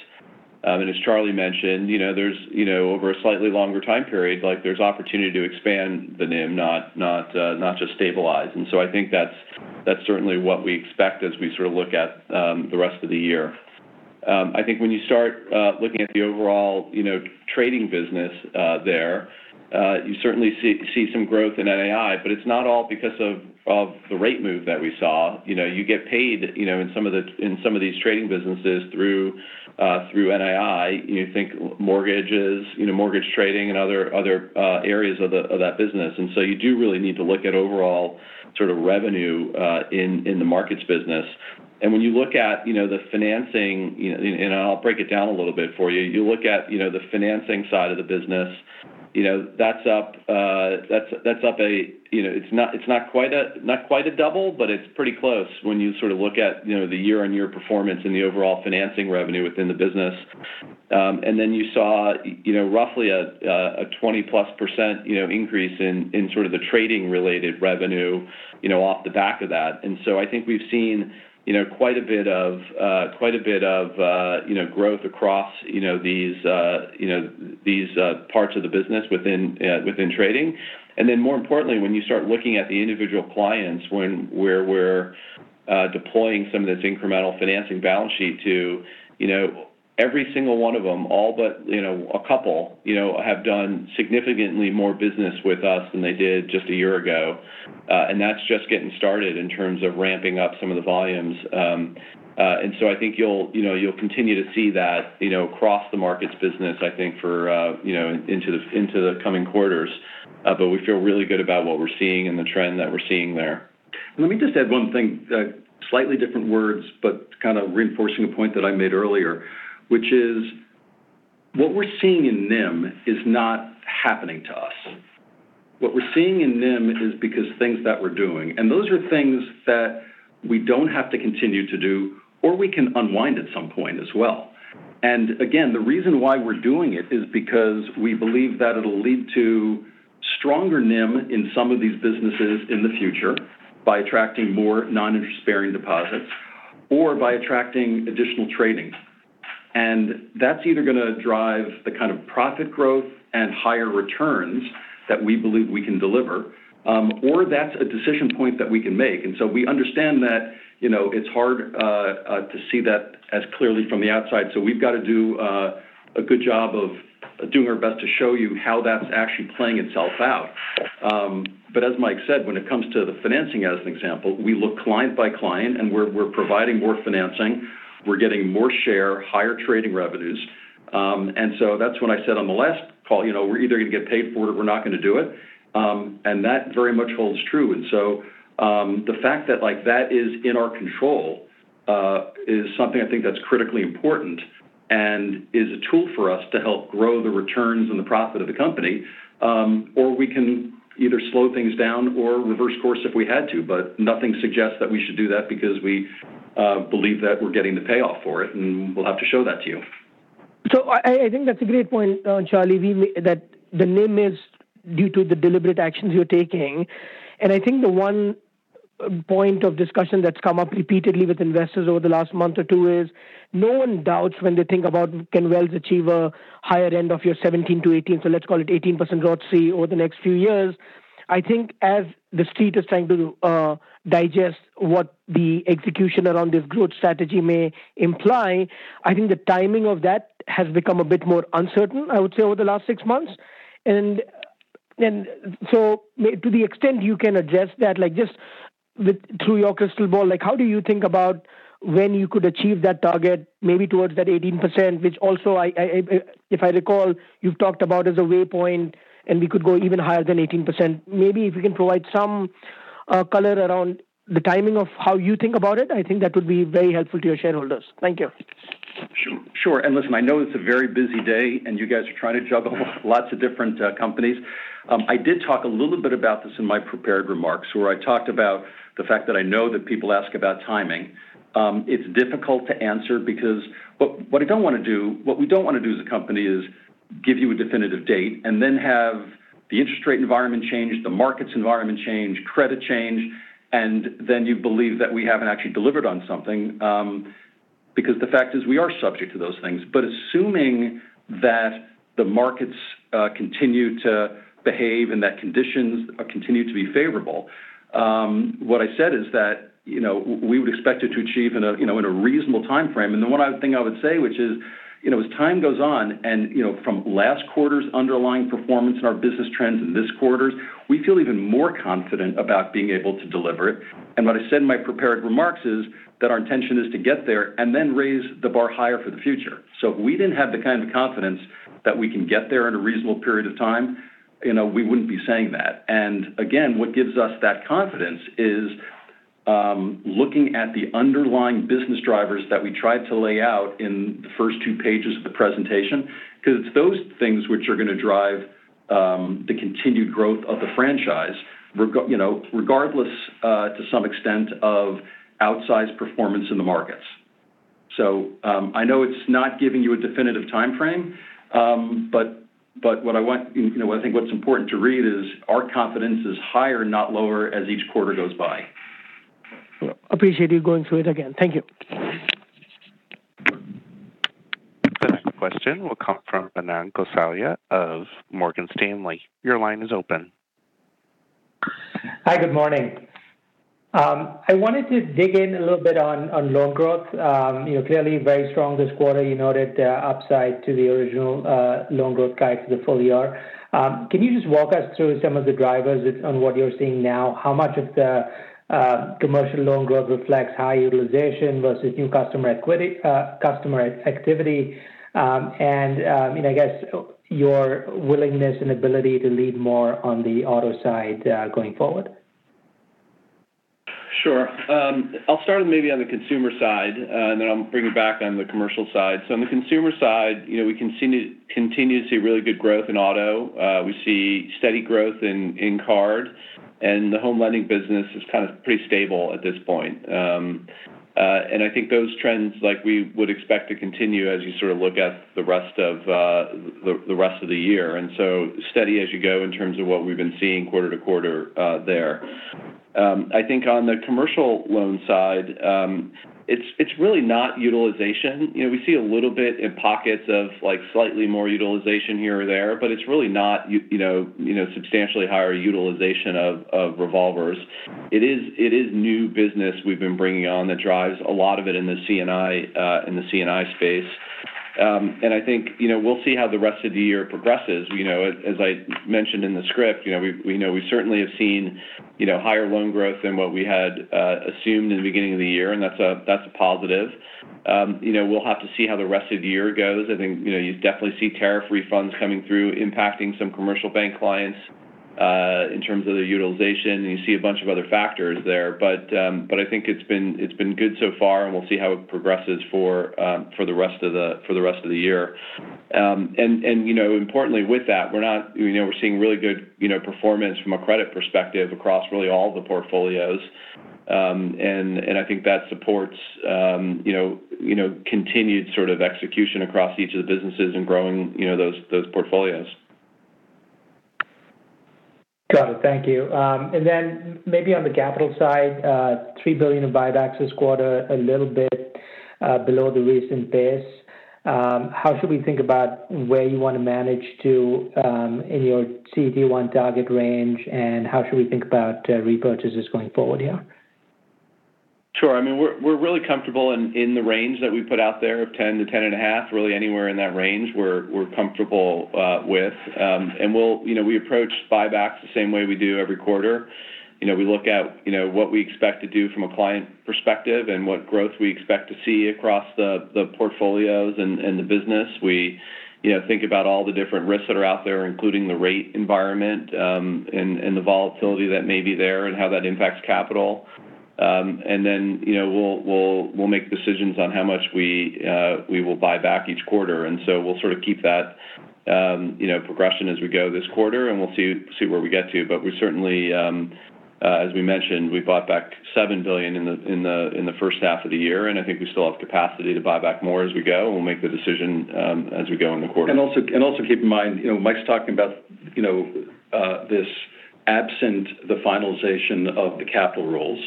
As Charlie mentioned, over a slightly longer time period, there's opportunity to expand the NIM, not just stabilize. I think that's certainly what we expect as we sort of look at the rest of the year. I think when you start looking at the overall trading business there, you certainly see some growth in NII, but it's not all because of the rate move that we saw. You get paid in some of these trading businesses through NII. You think mortgages, mortgage trading, and other areas of that business. You do really need to look at overall sort of revenue in the markets business. When you look at the financing, and I'll break it down a little bit for you. You look at the financing side of the business. It's not quite a double, but it's pretty close when you sort of look at the year-on-year performance and the overall financing revenue within the business. Then you saw roughly a 20-plus % increase in sort of the trading related revenue off the back of that. I think we've seen quite a bit of growth across these parts of the business within trading. More importantly, when you start looking at the individual clients where we're deploying some of this incremental financing balance sheet to every single one of them, all but a couple have done significantly more business with us than they did just a year ago. That's just getting started in terms of ramping up some of the volumes. I think you'll continue to see that across the markets business, I think into the coming quarters. We feel really good about what we're seeing and the trend that we're seeing there. Let me just add one thing, slightly different words, but kind of reinforcing a point that I made earlier, which is what we're seeing in NIM is not happening to us. What we're seeing in NIM is because things that we're doing, and those are things that we don't have to continue to do, or we can unwind at some point as well. The reason why we're doing it is because we believe that it'll lead to stronger NIM in some of these businesses in the future by attracting more non-interest-bearing deposits or by attracting additional trading. That's either going to drive the kind of profit growth and higher returns that we believe we can deliver, or that's a decision point that we can make. We understand that it's hard to see that as clearly from the outside, so we've got to do a good job of doing our best to show you how that's actually playing itself out. As Mike said, when it comes to the financing as an example, we look client by client, and we're providing more financing. We're getting more share, higher trading revenues. That's when I said on the last call, we're either going to get paid for it or we're not going to do it. That very much holds true. The fact that that is in our control is something I think that's critically important, and is a tool for us to help grow the returns and the profit of the company. We can either slow things down or reverse course if we had to. Nothing suggests that we should do that because we believe that we're getting the payoff for it, and we'll have to show that to you. I think that's a great point, Charlie, that the NIM is due to the deliberate actions you're taking. I think the one point of discussion that's come up repeatedly with investors over the last month or two is no one doubts when they think about can Wells achieve a higher end of your 17 to 18, so let's call it 18% ROTCE over the next few years. I think as the street is trying to digest what the execution around this growth strategy may imply, I think the timing of that has become a bit more uncertain, I would say, over the last six months. To the extent you can address that, just through your crystal ball, how do you think about when you could achieve that target, maybe towards that 18%, which also if I recall, you've talked about as a way point and we could go even higher than 18%. Maybe if you can provide some color around the timing of how you think about it, I think that would be very helpful to your shareholders. Thank you. Sure. Listen, I know it's a very busy day and you guys are trying to juggle lots of different companies. I did talk a little bit about this in my prepared remarks, where I talked about the fact that I know that people ask about timing. It's difficult to answer because what we don't want to do as a company is give you a definitive date and then have the interest rate environment change, the markets environment change, credit change, and then you believe that we haven't actually delivered on something. Because the fact is we are subject to those things. Assuming that the markets continue to behave and that conditions continue to be favorable, what I said is that we would expect it to achieve in a reasonable timeframe. Then one other thing I would say, which is, as time goes on and from last quarter's underlying performance in our business trends and this quarter's, we feel even more confident about being able to deliver it. What I said in my prepared remarks is that our intention is to get there and then raise the bar higher for the future. If we didn't have the kind of confidence that we can get there in a reasonable period of time, we wouldn't be saying that. Again, what gives us that confidence is looking at the underlying business drivers that we tried to lay out in the first two pages of the presentation because it's those things which are going to drive the continued growth of the franchise regardless to some extent of outsized performance in the markets. I know it's not giving you a definitive timeframe, but what I think what's important to read is our confidence is higher, not lower, as each quarter goes by. Appreciate you going through it again. Thank you. The next question will come from Manan Gosalia of Morgan Stanley. Your line is open. Hi, good morning. I wanted to dig in a little bit on loan growth. Clearly very strong this quarter. You noted the upside to the original loan growth guide for the full year. Can you just walk us through some of the drivers on what you're seeing now? How much of the commercial loan growth reflects high utilization versus new customer activity? I guess your willingness and ability to lead more on the auto side going forward. Sure. I'll start maybe on the consumer side, then I'll bring it back on the commercial side. On the consumer side, we continue to see really good growth in auto. We see steady growth in card, and the home lending business is kind of pretty stable at this point. I think those trends we would expect to continue as you sort of look at the rest of the year. Steady as you go in terms of what we've been seeing quarter to quarter there. I think on the commercial loan side, it's really not utilization. We see a little bit in pockets of slightly more utilization here or there, but it's really not substantially higher utilization of revolvers. It is new business we've been bringing on that drives a lot of it in the C&I space. I think we'll see how the rest of the year progresses. As I mentioned in the script, we certainly have seen higher loan growth than what we had assumed in the beginning of the year, and that's a positive. We'll have to see how the rest of the year goes. I think you definitely see tariff refunds coming through impacting some commercial bank clients, in terms of their utilization, and you see a bunch of other factors there. I think it's been good so far, and we'll see how it progresses for the rest of the year. Importantly with that, we're seeing really good performance from a credit perspective across really all the portfolios. I think that supports continued sort of execution across each of the businesses in growing those portfolios. Got it. Thank you. Maybe on the capital side, $3 billion of buybacks this quarter, a little bit below the recent pace. How should we think about where you want to manage to in your CET1 target range, and how should we think about repurchases going forward here? Sure. We're really comfortable in the range that we put out there of 10 to 10.5. Really anywhere in that range, we're comfortable with. We approach buybacks the same way we do every quarter. We look at what we expect to do from a client perspective and what growth we expect to see across the portfolios and the business. We think about all the different risks that are out there, including the rate environment, and the volatility that may be there and how that impacts capital. We'll make decisions on how much we will buy back each quarter. We'll sort of keep that progression as we go this quarter, and we'll see where we get to. We certainly, as we mentioned, we bought back $7 billion in the first half of the year, and I think we still have capacity to buy back more as we go, and we'll make the decision as we go in the quarter. Also keep in mind, Mike's talking about this absent the finalization of the capital rules.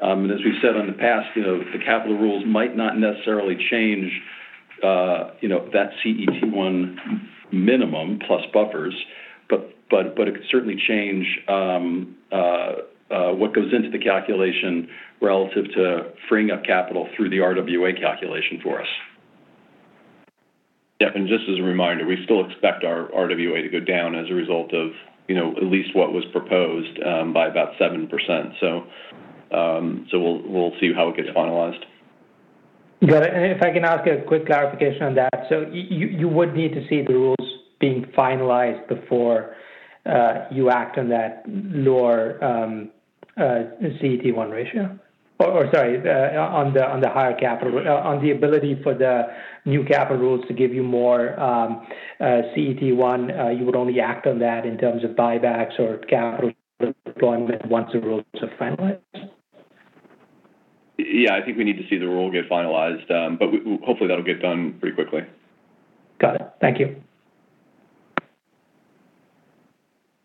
As we've said in the past, the capital rules might not necessarily change that CET1 minimum plus buffers. It could certainly change what goes into the calculation relative to freeing up capital through the RWA calculation for us. Yeah. Just as a reminder, we still expect our RWA to go down as a result of at least what was proposed, by about 7%. We'll see how it gets finalized. Got it. If I can ask a quick clarification on that. You would need to see the rules being finalized before you act on that lower CET1 ratio? Or, sorry, on the higher capital, on the ability for the new capital rules to give you more CET1, you would only act on that in terms of buybacks or capital deployment once the rules are finalized? Yeah, I think we need to see the rule get finalized. Hopefully that'll get done pretty quickly. Got it. Thank you.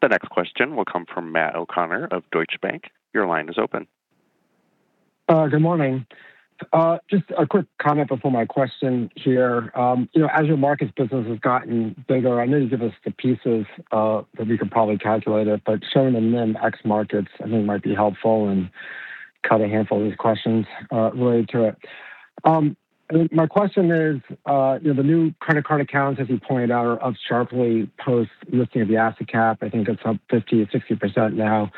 The next question will come from Matt O'Connor of Deutsche Bank. Your line is open. Good morning. Just a quick comment before my question here. As your markets business has gotten bigger, I know you've given us the pieces that we could probably calculate it, but showing them in ex markets I think might be helpful and cut a handful of these questions related to it. My question is, the new credit card accounts, as you pointed out, are up sharply post lifting of the asset cap. I think it's up 50%-60% now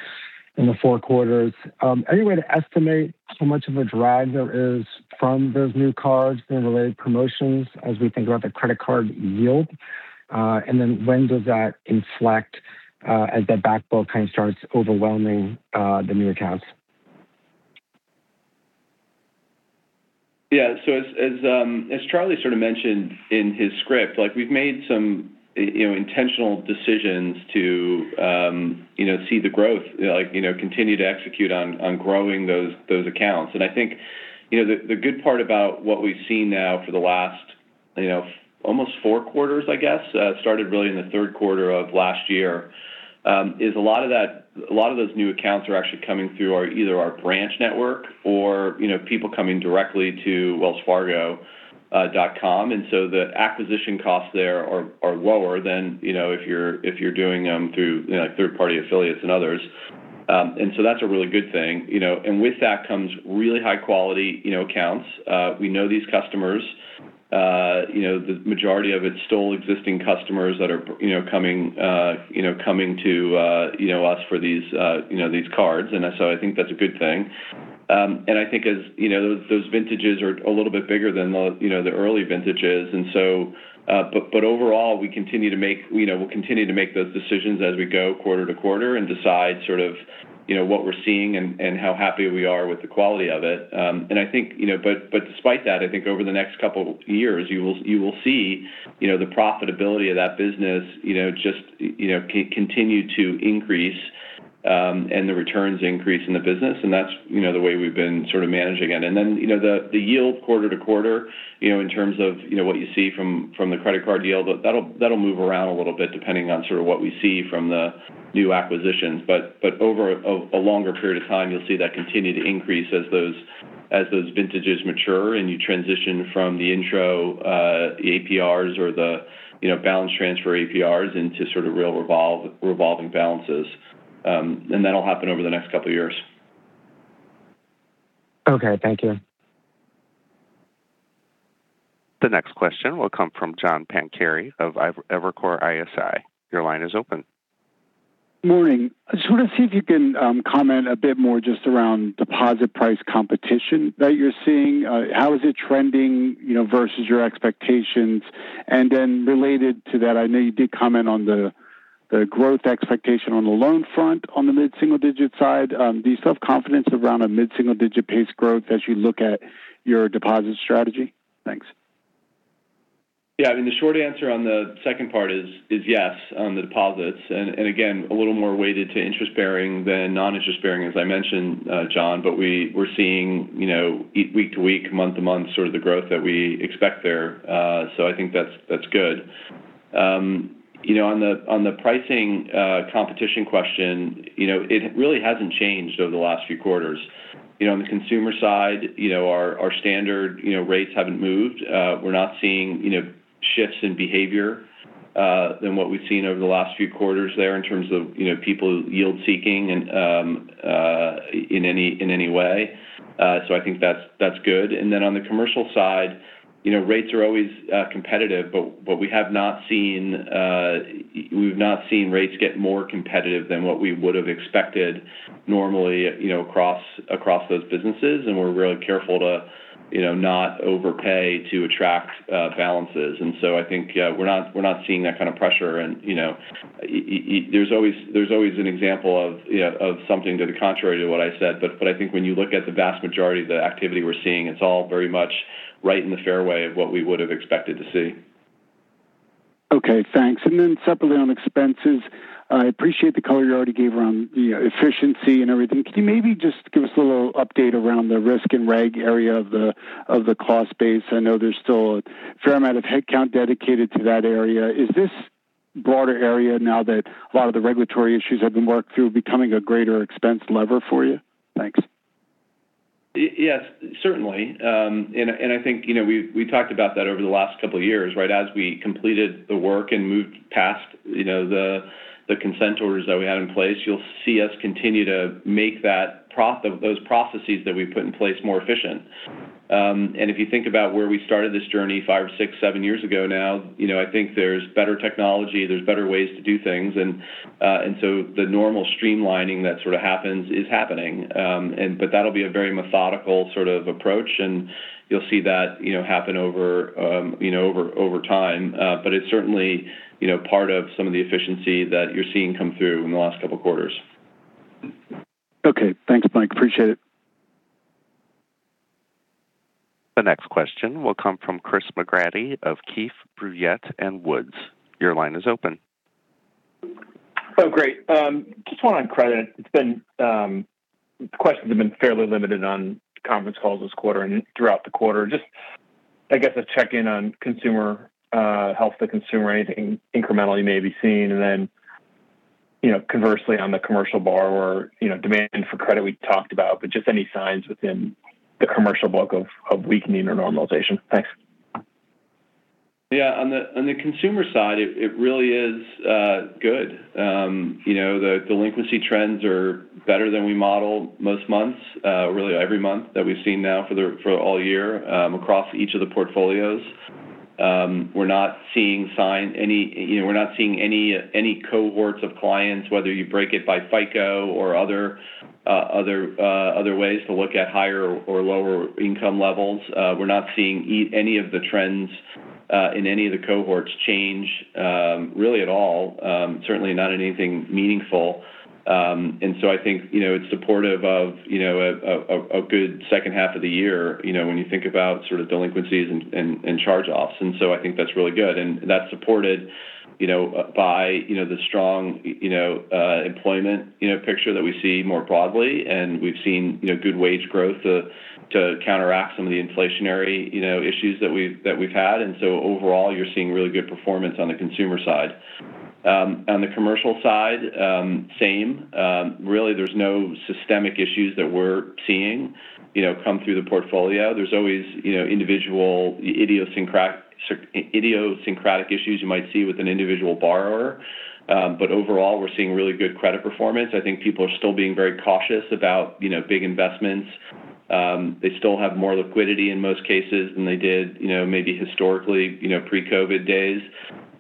in the four quarters. Any way to estimate how much of a drag there is from those new cards and related promotions as we think about the credit card yield? When does that inflect as that backbone kind of starts overwhelming the new accounts? Yeah. As Charlie sort of mentioned in his script, we've made some intentional decisions to see the growth, continue to execute on growing those accounts. I think, the good part about what we've seen now for the last almost four quarters, I guess, started really in the third quarter of last year, is a lot of those new accounts are actually coming through either our branch network or people coming directly to wellsfargo.com. The acquisition costs there are lower than if you're doing them through third-party affiliates and others. That's a really good thing. With that comes really high-quality accounts. We know these customers. The majority of it's still existing customers that are coming to us for these cards, I think that's a good thing. I think as those vintages are a little bit bigger than the early vintages. Overall, we'll continue to make those decisions as we go quarter-to-quarter and decide sort of what we're seeing and how happy we are with the quality of it. Despite that, I think over the next couple years, you will see the profitability of that business just continue to increase, and the returns increase in the business, and that's the way we've been sort of managing it. Then, the yield quarter-to-quarter, in terms of what you see from the credit card yield, that'll move around a little bit depending on sort of what we see from the new acquisitions. Over a longer period of time, you'll see that continue to increase as those vintages mature and you transition from the intro APRs or the balance transfer APRs into sort of real revolving balances. That'll happen over the next couple of years. Okay. Thank you. The next question will come from John Pancari of Evercore ISI. Your line is open. Morning. I just want to see if you can comment a bit more just around deposit price competition that you're seeing. How is it trending versus your expectations? Then related to that, I know you did comment on the growth expectation on the mid-single digit side. Do you still have confidence around a mid-single digit pace growth as you look at your deposit strategy? Thanks. Yeah. The short answer on the second part is yes on the deposits. Again, a little more weighted to interest-bearing than non-interest-bearing, as I mentioned, John. We're seeing week to week, month to month, sort of the growth that we expect there. I think that's good. On the pricing competition question, it really hasn't changed over the last few quarters. On the consumer side, our standard rates haven't moved. We're not seeing shifts in behavior than what we've seen over the last few quarters there in terms of people yield seeking in any way. I think that's good. Then on the commercial side, rates are always competitive, but we've not seen rates get more competitive than what we would have expected normally across those businesses. We're really careful to not overpay to attract balances. I think we're not seeing that kind of pressure. There's always an example of something to the contrary to what I said, but I think when you look at the vast majority of the activity we're seeing, it's all very much right in the fairway of what we would have expected to see. Okay, thanks. Then separately on expenses, I appreciate the color you already gave around the efficiency and everything. Can you maybe just give us a little update around the risk and reg area of the cost base? I know there's still a fair amount of headcount dedicated to that area. Is this broader area now that a lot of the regulatory issues have been worked through becoming a greater expense lever for you? Thanks. Yes, certainly. I think we've talked about that over the last couple of years, right? As we completed the work and moved past the consent orders that we have in place, you'll see us continue to make those processes that we've put in place more efficient. If you think about where we started this journey five or six, seven years ago now, I think there's better technology, there's better ways to do things. The normal streamlining that sort of happens is happening. That'll be a very methodical sort of approach, and you'll see that happen over time. It's certainly part of some of the efficiency that you're seeing come through in the last couple of quarters. Okay. Thanks, Mike. Appreciate it. The next question will come from Chris McGratty of Keefe, Bruyette & Woods. Your line is open. Oh, great. Just one on credit. Questions have been fairly limited on conference calls this quarter and throughout the quarter. Just I guess a check-in on consumer health, the consumer, anything incrementally may be seen, then conversely on the commercial borrower, demand for credit we talked about, just any signs within the commercial book of weakening or normalization. Thanks. Yeah. On the consumer side, it really is good. The delinquency trends are better than we model most months, really every month that we've seen now for all year across each of the portfolios. We're not seeing any cohorts of clients, whether you break it by FICO or other ways to look at higher or lower income levels. We're not seeing any of the trends in any of the cohorts change really at all. Certainly not anything meaningful. I think it's supportive of a good second half of the year when you think about sort of delinquencies and charge-offs. I think that's really good. That's supported by the strong employment picture that we see more broadly, we've seen good wage growth to counteract some of the inflationary issues that we've had. Overall, you're seeing really good performance on the consumer side. On the commercial side, same. Really, there's no systemic issues that we're seeing come through the portfolio. There's always idiosyncratic issues you might see with an individual borrower. Overall, we're seeing really good credit performance. I think people are still being very cautious about big investments. They still have more liquidity in most cases than they did maybe historically pre-COVID days.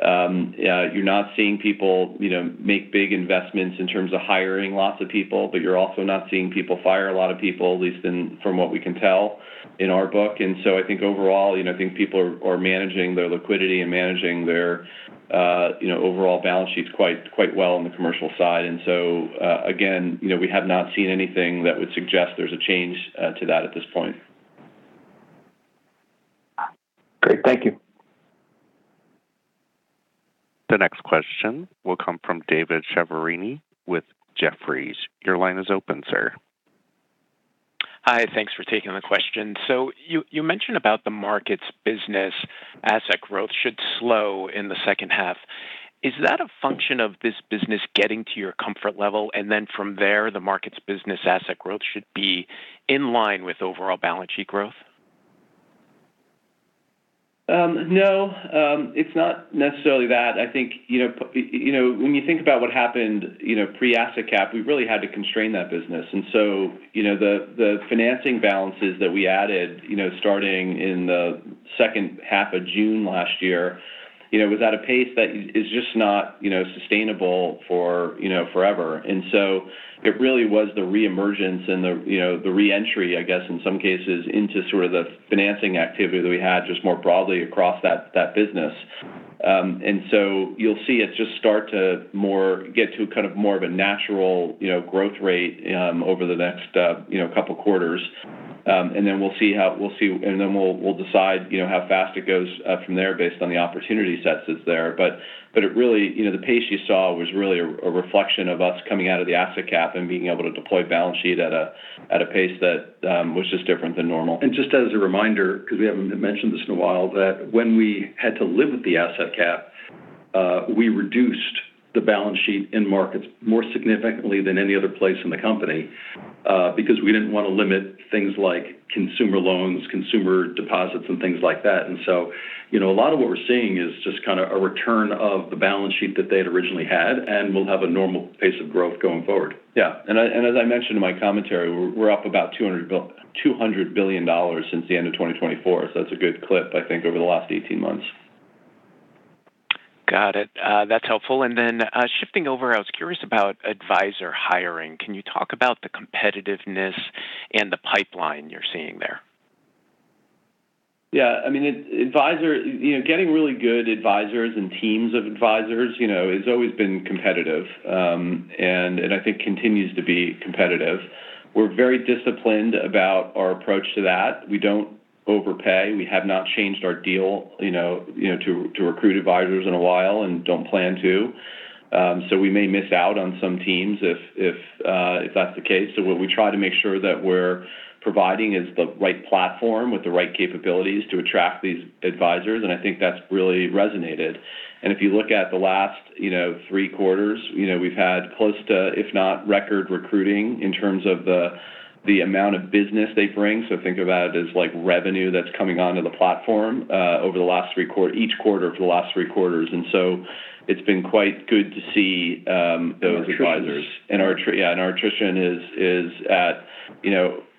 You're not seeing people make big investments in terms of hiring lots of people, but you're also not seeing people fire a lot of people, at least from what we can tell in our book. I think overall, I think people are managing their liquidity and managing their overall balance sheets quite well on the commercial side. Again, we have not seen anything that would suggest there's a change to that at this point. Great. Thank you. The next question will come from David Chiaverini with Jefferies. Your line is open, sir. Hi, thanks for taking the question. You mentioned about the markets business asset growth should slow in the second half. Is that a function of this business getting to your comfort level, and then from there, the markets business asset growth should be in line with overall balance sheet growth? No, it's not necessarily that. I think when you think about what happened pre-asset cap, we really had to constrain that business. The financing balances that we added starting in the second half of June last year was at a pace that is just not sustainable for forever. It really was the reemergence and the re-entry, I guess, in some cases, into sort of the financing activity that we had just more broadly across that business. You'll see it just start to get to kind of more of a natural growth rate over the next couple quarters. We'll decide how fast it goes from there based on the opportunity sets that's there. The pace you saw was really a reflection of us coming out of the asset cap and being able to deploy balance sheet at a pace that was just different than normal. Just as a reminder, because we haven't mentioned this in a while, that when we had to live with the asset cap. We reduced the balance sheet in markets more significantly than any other place in the company, because we didn't want to limit things like consumer loans, consumer deposits, and things like that. A lot of what we're seeing is just kind of a return of the balance sheet that they had originally had, and we'll have a normal pace of growth going forward. Yeah. As I mentioned in my commentary, we're up about $200 billion since the end of 2024. That's a good clip, I think, over the last 18 months. Got it. That's helpful. Shifting over, I was curious about advisor hiring. Can you talk about the competitiveness and the pipeline you're seeing there? Getting really good advisors and teams of advisors has always been competitive, I think continues to be competitive. We're very disciplined about our approach to that. We don't overpay. We have not changed our deal to recruit advisors in a while and don't plan to. We may miss out on some teams if that's the case. What we try to make sure that we're providing is the right platform with the right capabilities to attract these advisors, and I think that's really resonated. If you look at the last three quarters, we've had close to, if not record recruiting in terms of the amount of business they bring. Think about it as like revenue that's coming onto the platform over each quarter for the last three quarters. It's been quite good to see those advisors. Attrition. Our attrition is at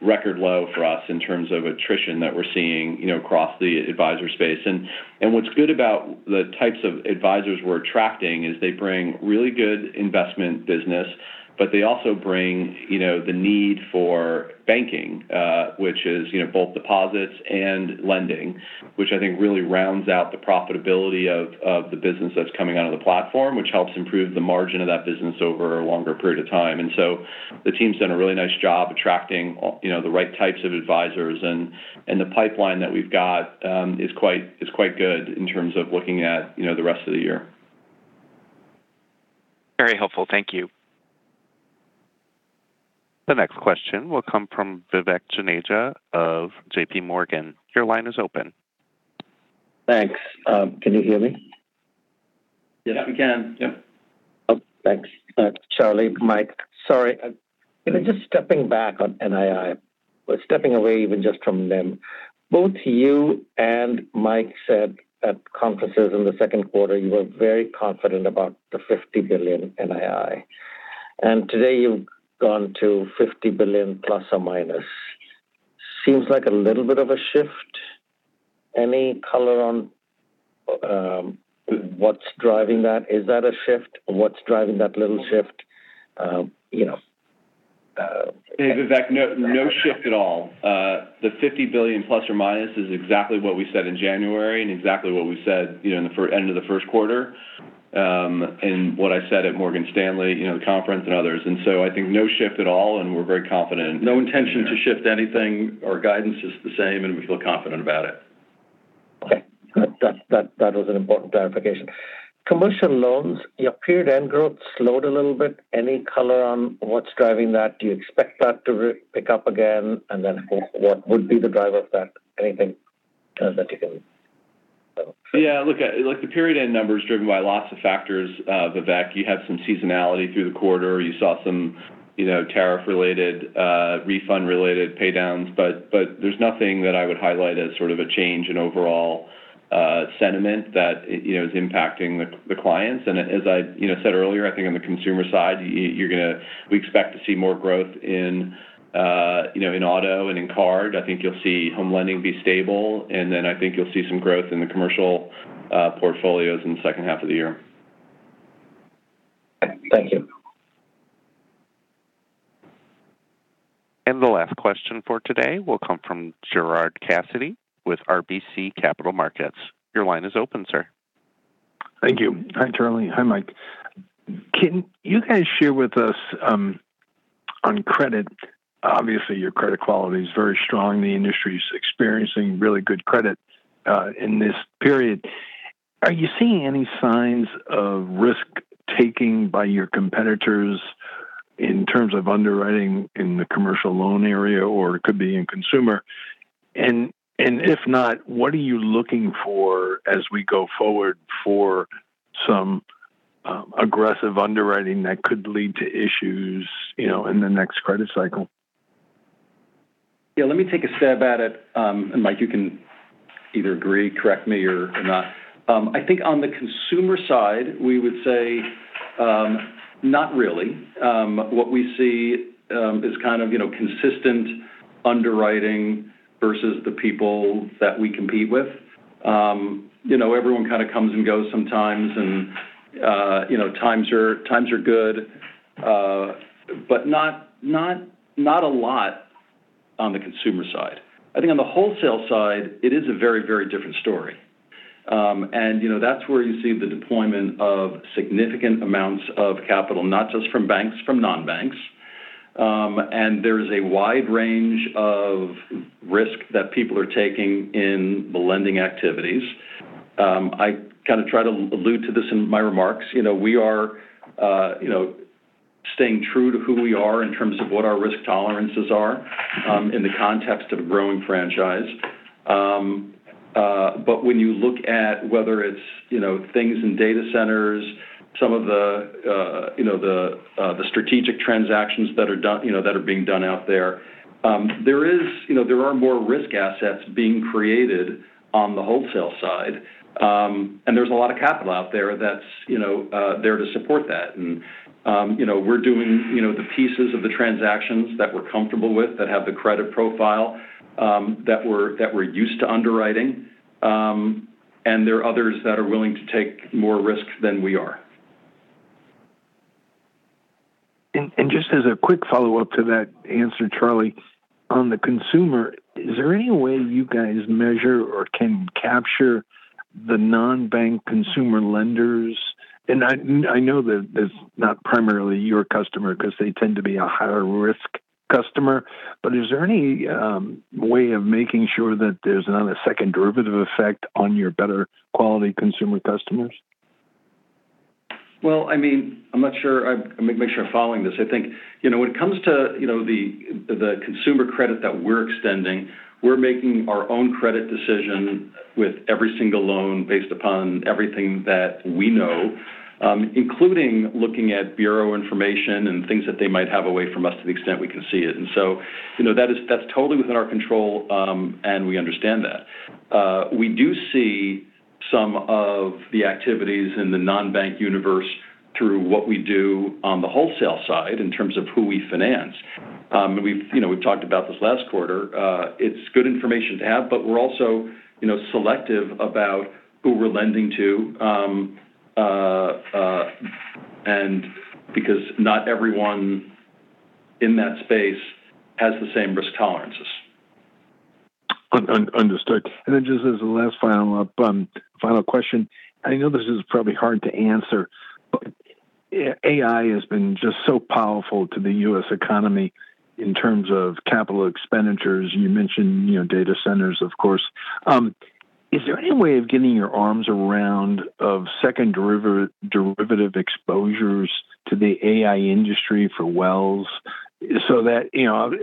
record low for us in terms of attrition that we're seeing across the advisor space. What's good about the types of advisors we're attracting is they bring really good investment business, but they also bring the need for banking, which is both deposits and lending, which I think really rounds out the profitability of the business that's coming out of the platform, which helps improve the margin of that business over a longer period of time. The team's done a really nice job attracting the right types of advisors, and the pipeline that we've got is quite good in terms of looking at the rest of the year. Very helpful. Thank you. The next question will come from Vivek Juneja of JPMorgan. Your line is open. Thanks. Can you hear me? Yeah, we can. Yep. Oh, thanks. Charlie, Mike. Sorry. Stepping back on NII, but stepping away even just from NIM. Both you and Mike said at conferences in the second quarter you were very confident about the $50 billion NII. Today you've gone to $50 billion ±. Seems like a little bit of a shift. Any color on what's driving that? Is that a shift? What's driving that little shift? Hey, Vivek, no shift at all. The $50 billion ± is exactly what we said in January and exactly what we said in the end of the first quarter, and what I said at Morgan Stanley conference and others. I think no shift at all, and we're very confident. No intention to shift anything. Our guidance is the same. We feel confident about it. Okay, good. That was an important clarification. Commercial loans, your period end growth slowed a little bit. Any color on what's driving that? Do you expect that to pick up again? What would be the driver of that? Yeah, look, the period end number is driven by lots of factors, Vivek. You had some seasonality through the quarter. You saw some tariff related, refund related pay downs. There's nothing that I would highlight as sort of a change in overall sentiment that is impacting the clients. As I said earlier, I think on the consumer side, we expect to see more growth in auto and in card. I think you'll see home lending be stable, then I think you'll see some growth in the commercial portfolios in the second half of the year. Thank you. The last question for today will come from Gerard Cassidy with RBC Capital Markets. Your line is open, sir. Thank you. Hi, Charlie. Hi, Mike. Can you guys share with us on credit, obviously your credit quality is very strong. The industry's experiencing really good credit in this period. Are you seeing any signs of risk-taking by your competitors in terms of underwriting in the commercial loan area, or it could be in consumer? If not, what are you looking for as we go forward for some aggressive underwriting that could lead to issues in the next credit cycle? Yeah, let me take a stab at it. Mike, you can either agree, correct me, or not. I think on the consumer side, we would say, not really. What we see is kind of consistent underwriting versus the people that we compete with. Everyone kind of comes and goes sometimes, and times are good. Not a lot on the consumer side. I think on the wholesale side, it is a very different story. That's where you see the deployment of significant amounts of capital, not just from banks, from non-banks. There is a wide range of risk that people are taking in the lending activities. I kind of try to allude to this in my remarks. We are staying true to who we are in terms of what our risk tolerances are in the context of a growing franchise. When you look at whether it's things in data centers, some of the strategic transactions that are being done out there. There are more risk assets being created on the wholesale side. There's a lot of capital out there that's there to support that. We're doing the pieces of the transactions that we're comfortable with that have the credit profile that we're used to underwriting. There are others that are willing to take more risks than we are. Just as a quick follow-up to that answer, Charlie, on the consumer, is there any way you guys measure or can capture the non-bank consumer lenders? I know that it's not primarily your customer because they tend to be a higher risk customer, but is there any way of making sure that there's not a second derivative effect on your better quality consumer customers? Well, I'm not sure I'm following this. I think when it comes to the consumer credit that we're extending, we're making our own credit decision with every single loan based upon everything that we know, including looking at bureau information and things that they might have away from us to the extent we can see it. That's totally within our control, and we understand that. We do see some of the activities in the non-bank universe through what we do on the wholesale side in terms of who we finance. We've talked about this last quarter. It's good information to have, but we're also selective about who we're lending to, because not everyone in that space has the same risk tolerances. Understood. Just as a last follow-up, final question. I know this is probably hard to answer, AI has been just so powerful to the U.S. economy in terms of capital expenditures. You mentioned data centers, of course. Is there any way of getting your arms around of second derivative exposures to the AI industry for Wells, so that,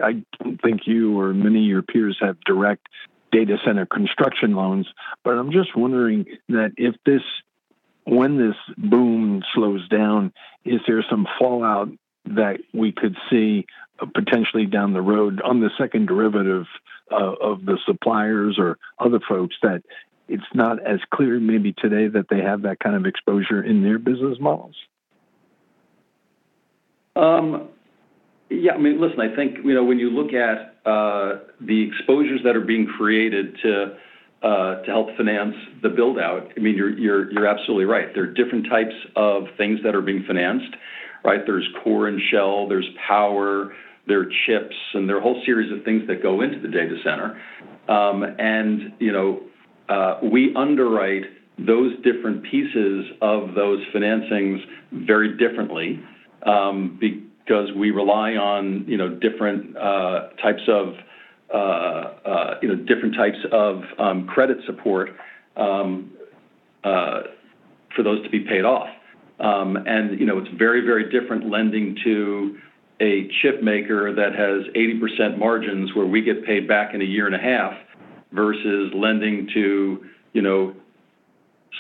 I don't think you or many of your peers have direct data center construction loans, but I'm just wondering that when this boom slows down, is there some fallout that we could see potentially down the road on the second derivative of the suppliers or other folks that it's not as clear maybe today that they have that kind of exposure in their business models? Yeah. Listen, I think when you look at the exposures that are being created to help finance the build-out, you're absolutely right. There are different types of things that are being financed, right? There's core and shell, there's power, there are chips, and there are a whole series of things that go into the data center. We underwrite those different pieces of those financings very differently, because we rely on different types of credit support for those to be paid off. It's very, very different lending to a chip maker that has 80% margins where we get paid back in a year and a half versus lending to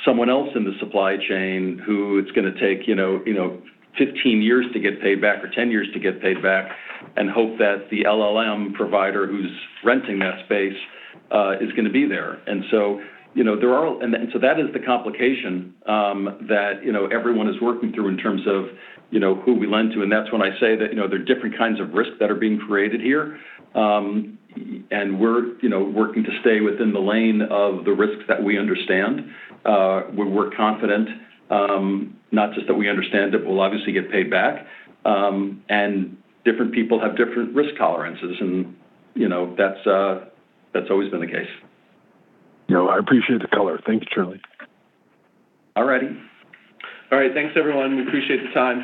someone else in the supply chain who it's going to take 15 years to get paid back or 10 years to get paid back and hope that the LLM provider who's renting that space is going to be there. That is the complication that everyone is working through in terms of who we lend to. That's when I say that there are different kinds of risks that are being created here. We're working to stay within the lane of the risks that we understand, where we're confident, not just that we understand it, we'll obviously get paid back. Different people have different risk tolerances, and that's always been the case. I appreciate the color. Thank you, Charlie. All righty. All right. Thanks, everyone. We appreciate the time.